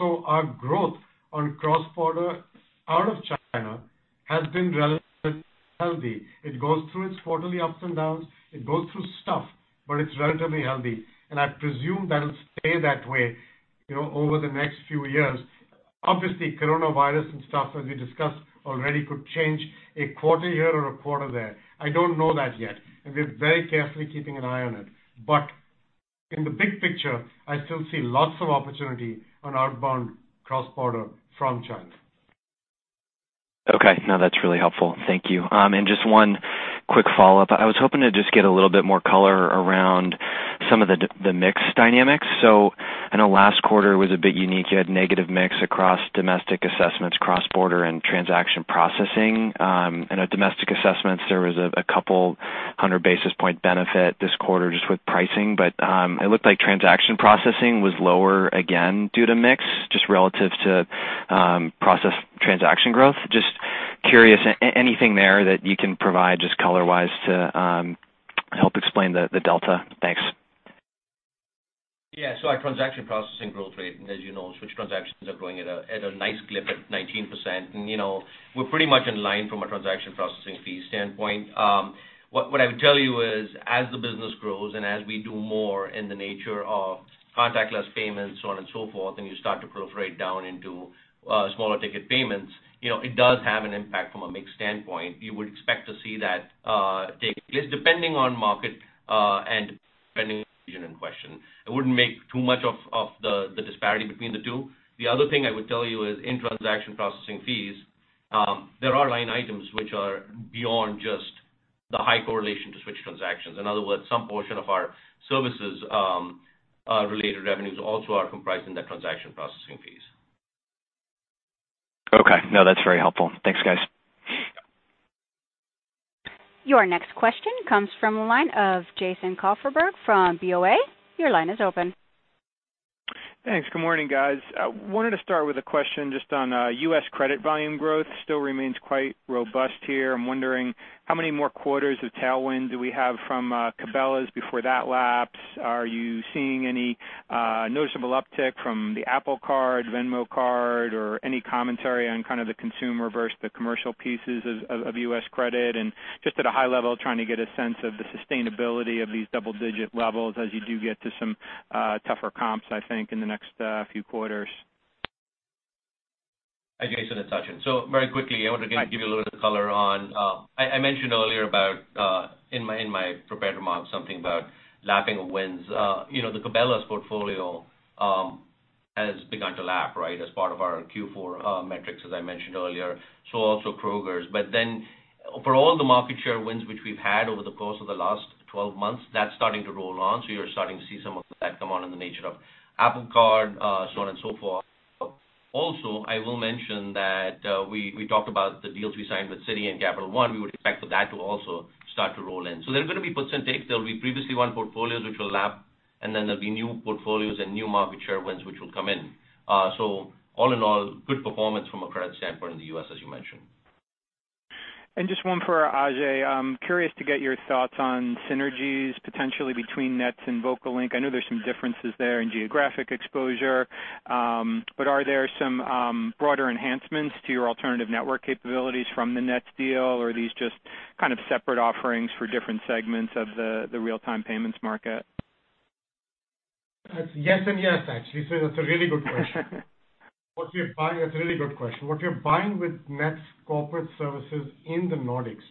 [SPEAKER 3] Our growth on cross-border out of China has been relatively healthy. It goes through its quarterly ups and downs. It goes through stuff, but it's relatively healthy. I presume that'll stay that way over the next few years. Obviously, coronavirus and stuff, as we discussed already, could change a quarter here or a quarter there. I don't know that yet, and we're very carefully keeping an eye on it. In the big picture, I still see lots of opportunity on outbound cross-border from China.
[SPEAKER 11] Okay. No, that's really helpful. Thank you. Just one quick follow-up. I was hoping to just get a little bit more color around some of the mix dynamics. I know last quarter was a bit unique. You had negative mix across domestic assessments, cross-border, and transaction processing. I know domestic assessments, there was a couple 100 basis point benefit this quarter just with pricing, but it looked like transaction processing was lower again due to mix, just relative to process transaction growth. Just curious, anything there that you can provide just color-wise to help explain the delta? Thanks.
[SPEAKER 4] Yeah. Our transaction processing growth rate, as you know, switch transactions are growing at a nice clip at 19%. We're pretty much in line from a transaction processing fee standpoint. What I would tell you is as the business grows and as we do more in the nature of contactless payments, so on and so forth, and you start to proliferate down into smaller ticket payments, it does have an impact from a mix standpoint. You would expect to see that take place depending on market and depending on the region in question. I wouldn't make too much of the disparity between the two. The other thing I would tell you is in transaction processing fees, there are line items which are beyond just the high correlation to switch transactions. In other words, some portion of our services-related revenues also are comprised in the transaction processing fees.
[SPEAKER 11] Okay. No, that's very helpful. Thanks, guys.
[SPEAKER 1] Your next question comes from the line of Jason Kupferberg from [BoA]. Your line is open.
[SPEAKER 12] Thanks. Good morning, guys. Wanted to start with a question just on U.S. credit volume growth still remains quite robust here. I'm wondering how many more quarters of tailwind do we have from Cabela's before that lapse? Are you seeing any noticeable uptick from the Apple Card, Venmo card, or any commentary on kind of the consumer versus the commercial pieces of U.S. credit? Just at a high level, trying to get a sense of the sustainability of these double-digit levels as you do get to some tougher comps, I think, in the next few quarters.
[SPEAKER 4] Hi, Jason, it's Sachin. Very quickly, I want to give you a little bit of color on I mentioned earlier in my prepared remarks something about lapping of wins. The Cabela's portfolio has begun to lap as part of our Q4 metrics, as I mentioned earlier. Also Kroger. For all the market share wins which we've had over the course of the last 12 months, that's starting to roll on. You're starting to see some of that come on in the nature of Apple Card, so on and so forth. Also, I will mention that we talked about the deals we signed with Citi and Capital One. We would expect for that to also start to roll in. There are going to be puts and takes. There'll be previously won portfolios which will lap, and then there'll be new portfolios and new market share wins which will come in. All in all, good performance from a credit standpoint in the U.S., as you mentioned.
[SPEAKER 12] Just one for Ajay. I'm curious to get your thoughts on synergies potentially between Nets and VocaLink. I know there's some differences there in geographic exposure. Are there some broader enhancements to your alternative network capabilities from the Nets deal? Are these just kind of separate offerings for different segments of the real-time payments market?
[SPEAKER 3] That's yes and yes, actually. That's a really good question. That's a really good question. What you're buying with Nets Corporate Services in the Nordics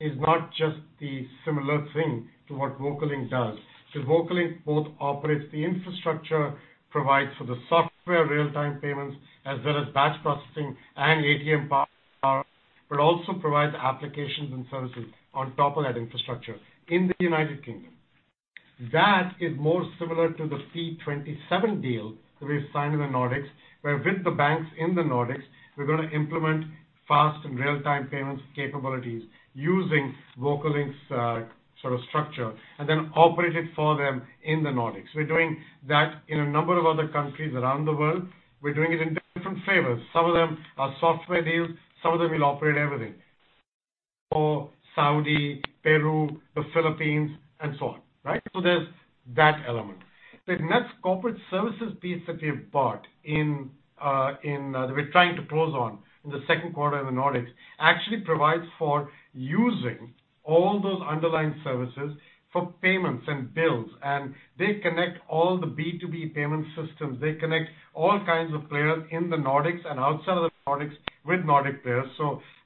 [SPEAKER 3] is not just the similar thing to what VocaLink does. VocaLink both operates the infrastructure, provides for the software real-time payments, as well as batch processing and ATM power, but also provides applications and services on top of that infrastructure in the United Kingdom. That is more similar to the P27 deal that we've signed in the Nordics, where with the banks in the Nordics, we're going to implement fast and real-time payments capabilities using VocaLink's sort of structure, and then operate it for them in the Nordics. We're doing that in a number of other countries around the world. We're doing it in different flavors. Some of them are software deals, some of them we'll operate everything. For Saudi, Peru, the Philippines, and so on. There's that element. The Nets Corporate Services piece that we have bought that we're trying to close on in the second quarter in the Nordics actually provides for using all those underlying services for payments and bills, and they connect all the B2B payment systems. They connect all kinds of players in the Nordics and outside of the Nordics with Nordic players.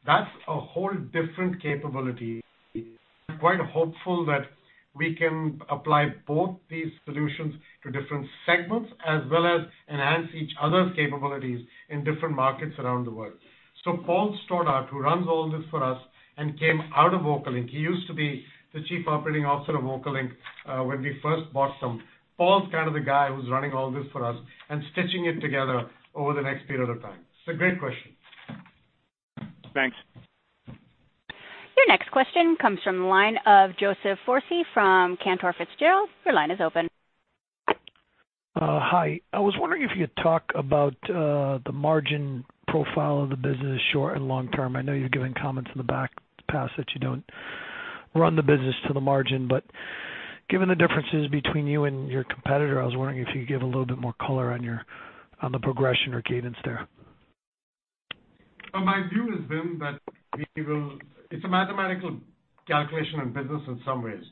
[SPEAKER 3] That's a whole different capability. We're quite hopeful that we can apply both these solutions to different segments as well as enhance each other's capabilities in different markets around the world. Paul Stoddart, who runs all this for us and came out of VocaLink, he used to be the Chief Operating Officer of VocaLink when we first bought some. Paul's kind of the guy who's running all this for us and stitching it together over the next period of time. It's a great question.
[SPEAKER 12] Thanks.
[SPEAKER 1] Your next question comes from the line of Joseph Foresi from Cantor Fitzgerald. Your line is open.
[SPEAKER 13] Hi. I was wondering if you could talk about the margin profile of the business, short and long term. I know you're giving comments in the back past that you don't run the business to the margin. Given the differences between you and your competitor, I was wondering if you could give a little bit more color on the progression or cadence there.
[SPEAKER 3] My view has been that it's a mathematical calculation in business in some ways.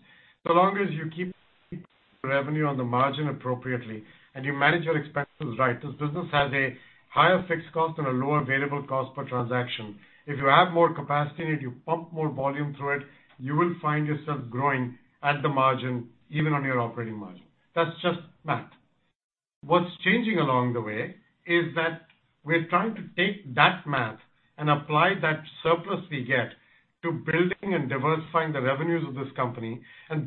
[SPEAKER 3] Long as you keep revenue on the margin appropriately and you manage your expenses right, this business has a higher fixed cost and a lower variable cost per transaction. If you add more capacity and if you pump more volume through it, you will find yourself growing at the margin, even on your operating margin. That's just math. What's changing along the way is that we're trying to take that math and apply that surplus we get to building and diversifying the revenues of this company.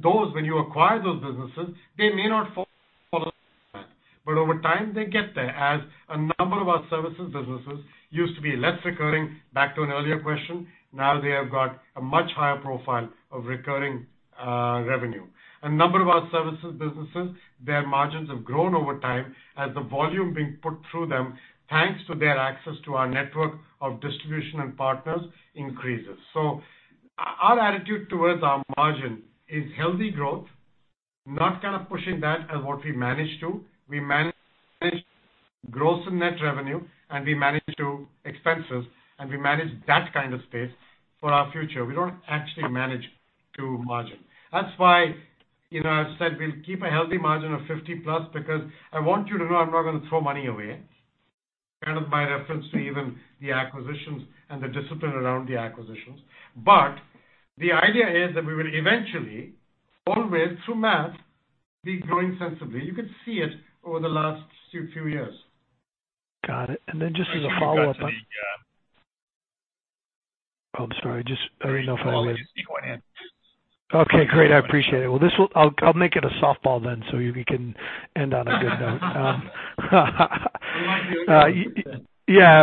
[SPEAKER 3] Those, when you acquire those businesses, they may not follow that. Over time, they get there, as a number of our services businesses used to be less recurring, back to an earlier question. Now they have got a much higher profile of recurring revenue. A number of our services businesses, their margins have grown over time as the volume being put through them, thanks to their access to our network of distribution and partners, increases. Our attitude towards our margin is healthy growth, not kind of pushing that as what we manage to. We manage gross and net revenue, and we manage to expenses, and we manage that kind of space for our future. We don't actually manage to margin. That's why I've said we'll keep a healthy margin of 50+ because I want you to know I'm not going to throw money away, kind of my reference to even the acquisitions and the discipline around the acquisitions. The idea is that we will eventually, always through math, be growing sensibly. You can see it over the last few years.
[SPEAKER 13] Got it. Then just as a follow-up.
[SPEAKER 4] I think we've got to the-
[SPEAKER 13] Oh, sorry.
[SPEAKER 4] No, you keep going in.
[SPEAKER 13] Okay, great. I appreciate it. I'll make it a softball then so you can end on a good note.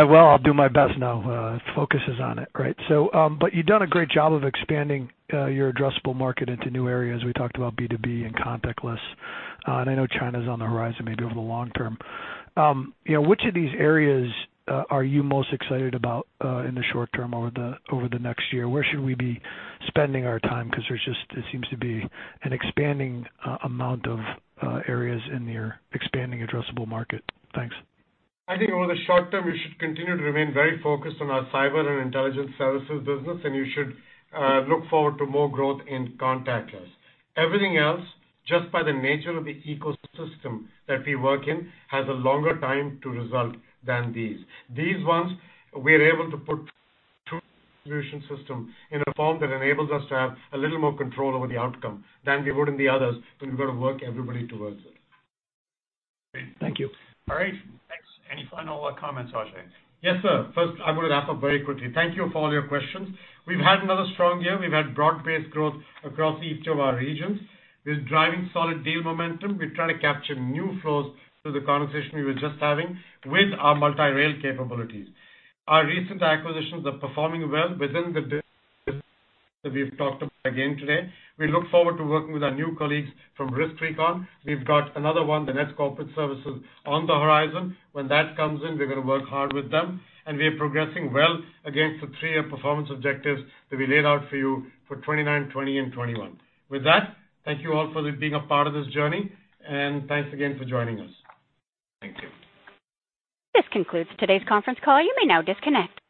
[SPEAKER 13] Well, I'll do my best now. Focus is on it, right? But you've done a great job of expanding your addressable market into new areas. We talked about B2B and contactless. I know China's on the horizon maybe over the long term. Which of these areas are you most excited about in the short term over the next year? Where should we be spending our time? Because there seems to be an expanding amount of areas in your expanding addressable market. Thanks.
[SPEAKER 3] I think over the short term, we should continue to remain very focused on our cyber and intelligence services business, and you should look forward to more growth in contactless. Everything else, just by the nature of the ecosystem that we work in, has a longer time to result than these. These ones, we are able to put through the solution system in a form that enables us to have a little more control over the outcome than we would in the others, where we've got to work everybody towards it.
[SPEAKER 13] Great. Thank you.
[SPEAKER 4] All right, thanks. Any final comments, Ajay?
[SPEAKER 3] Yes, sir. First, I'm going to wrap up very quickly. Thank you for all your questions. We've had another strong year. We've had broad-based growth across each of our regions. We're driving solid deal momentum. We're trying to capture new flows through the conversation we were just having with our multi-rail capabilities. Our recent acquisitions are performing well within the that we've talked about again today. We look forward to working with our new colleagues from RiskRecon. We've got another one, the Nets Corporate Services, on the horizon. When that comes in, we're going to work hard with them, and we are progressing well against the three-year performance objectives that we laid out for you for 2029, 2020, and 2021. With that, thank you all for being a part of this journey, and thanks again for joining us.
[SPEAKER 4] Thank you.
[SPEAKER 1] This concludes today's conference call. You may now disconnect.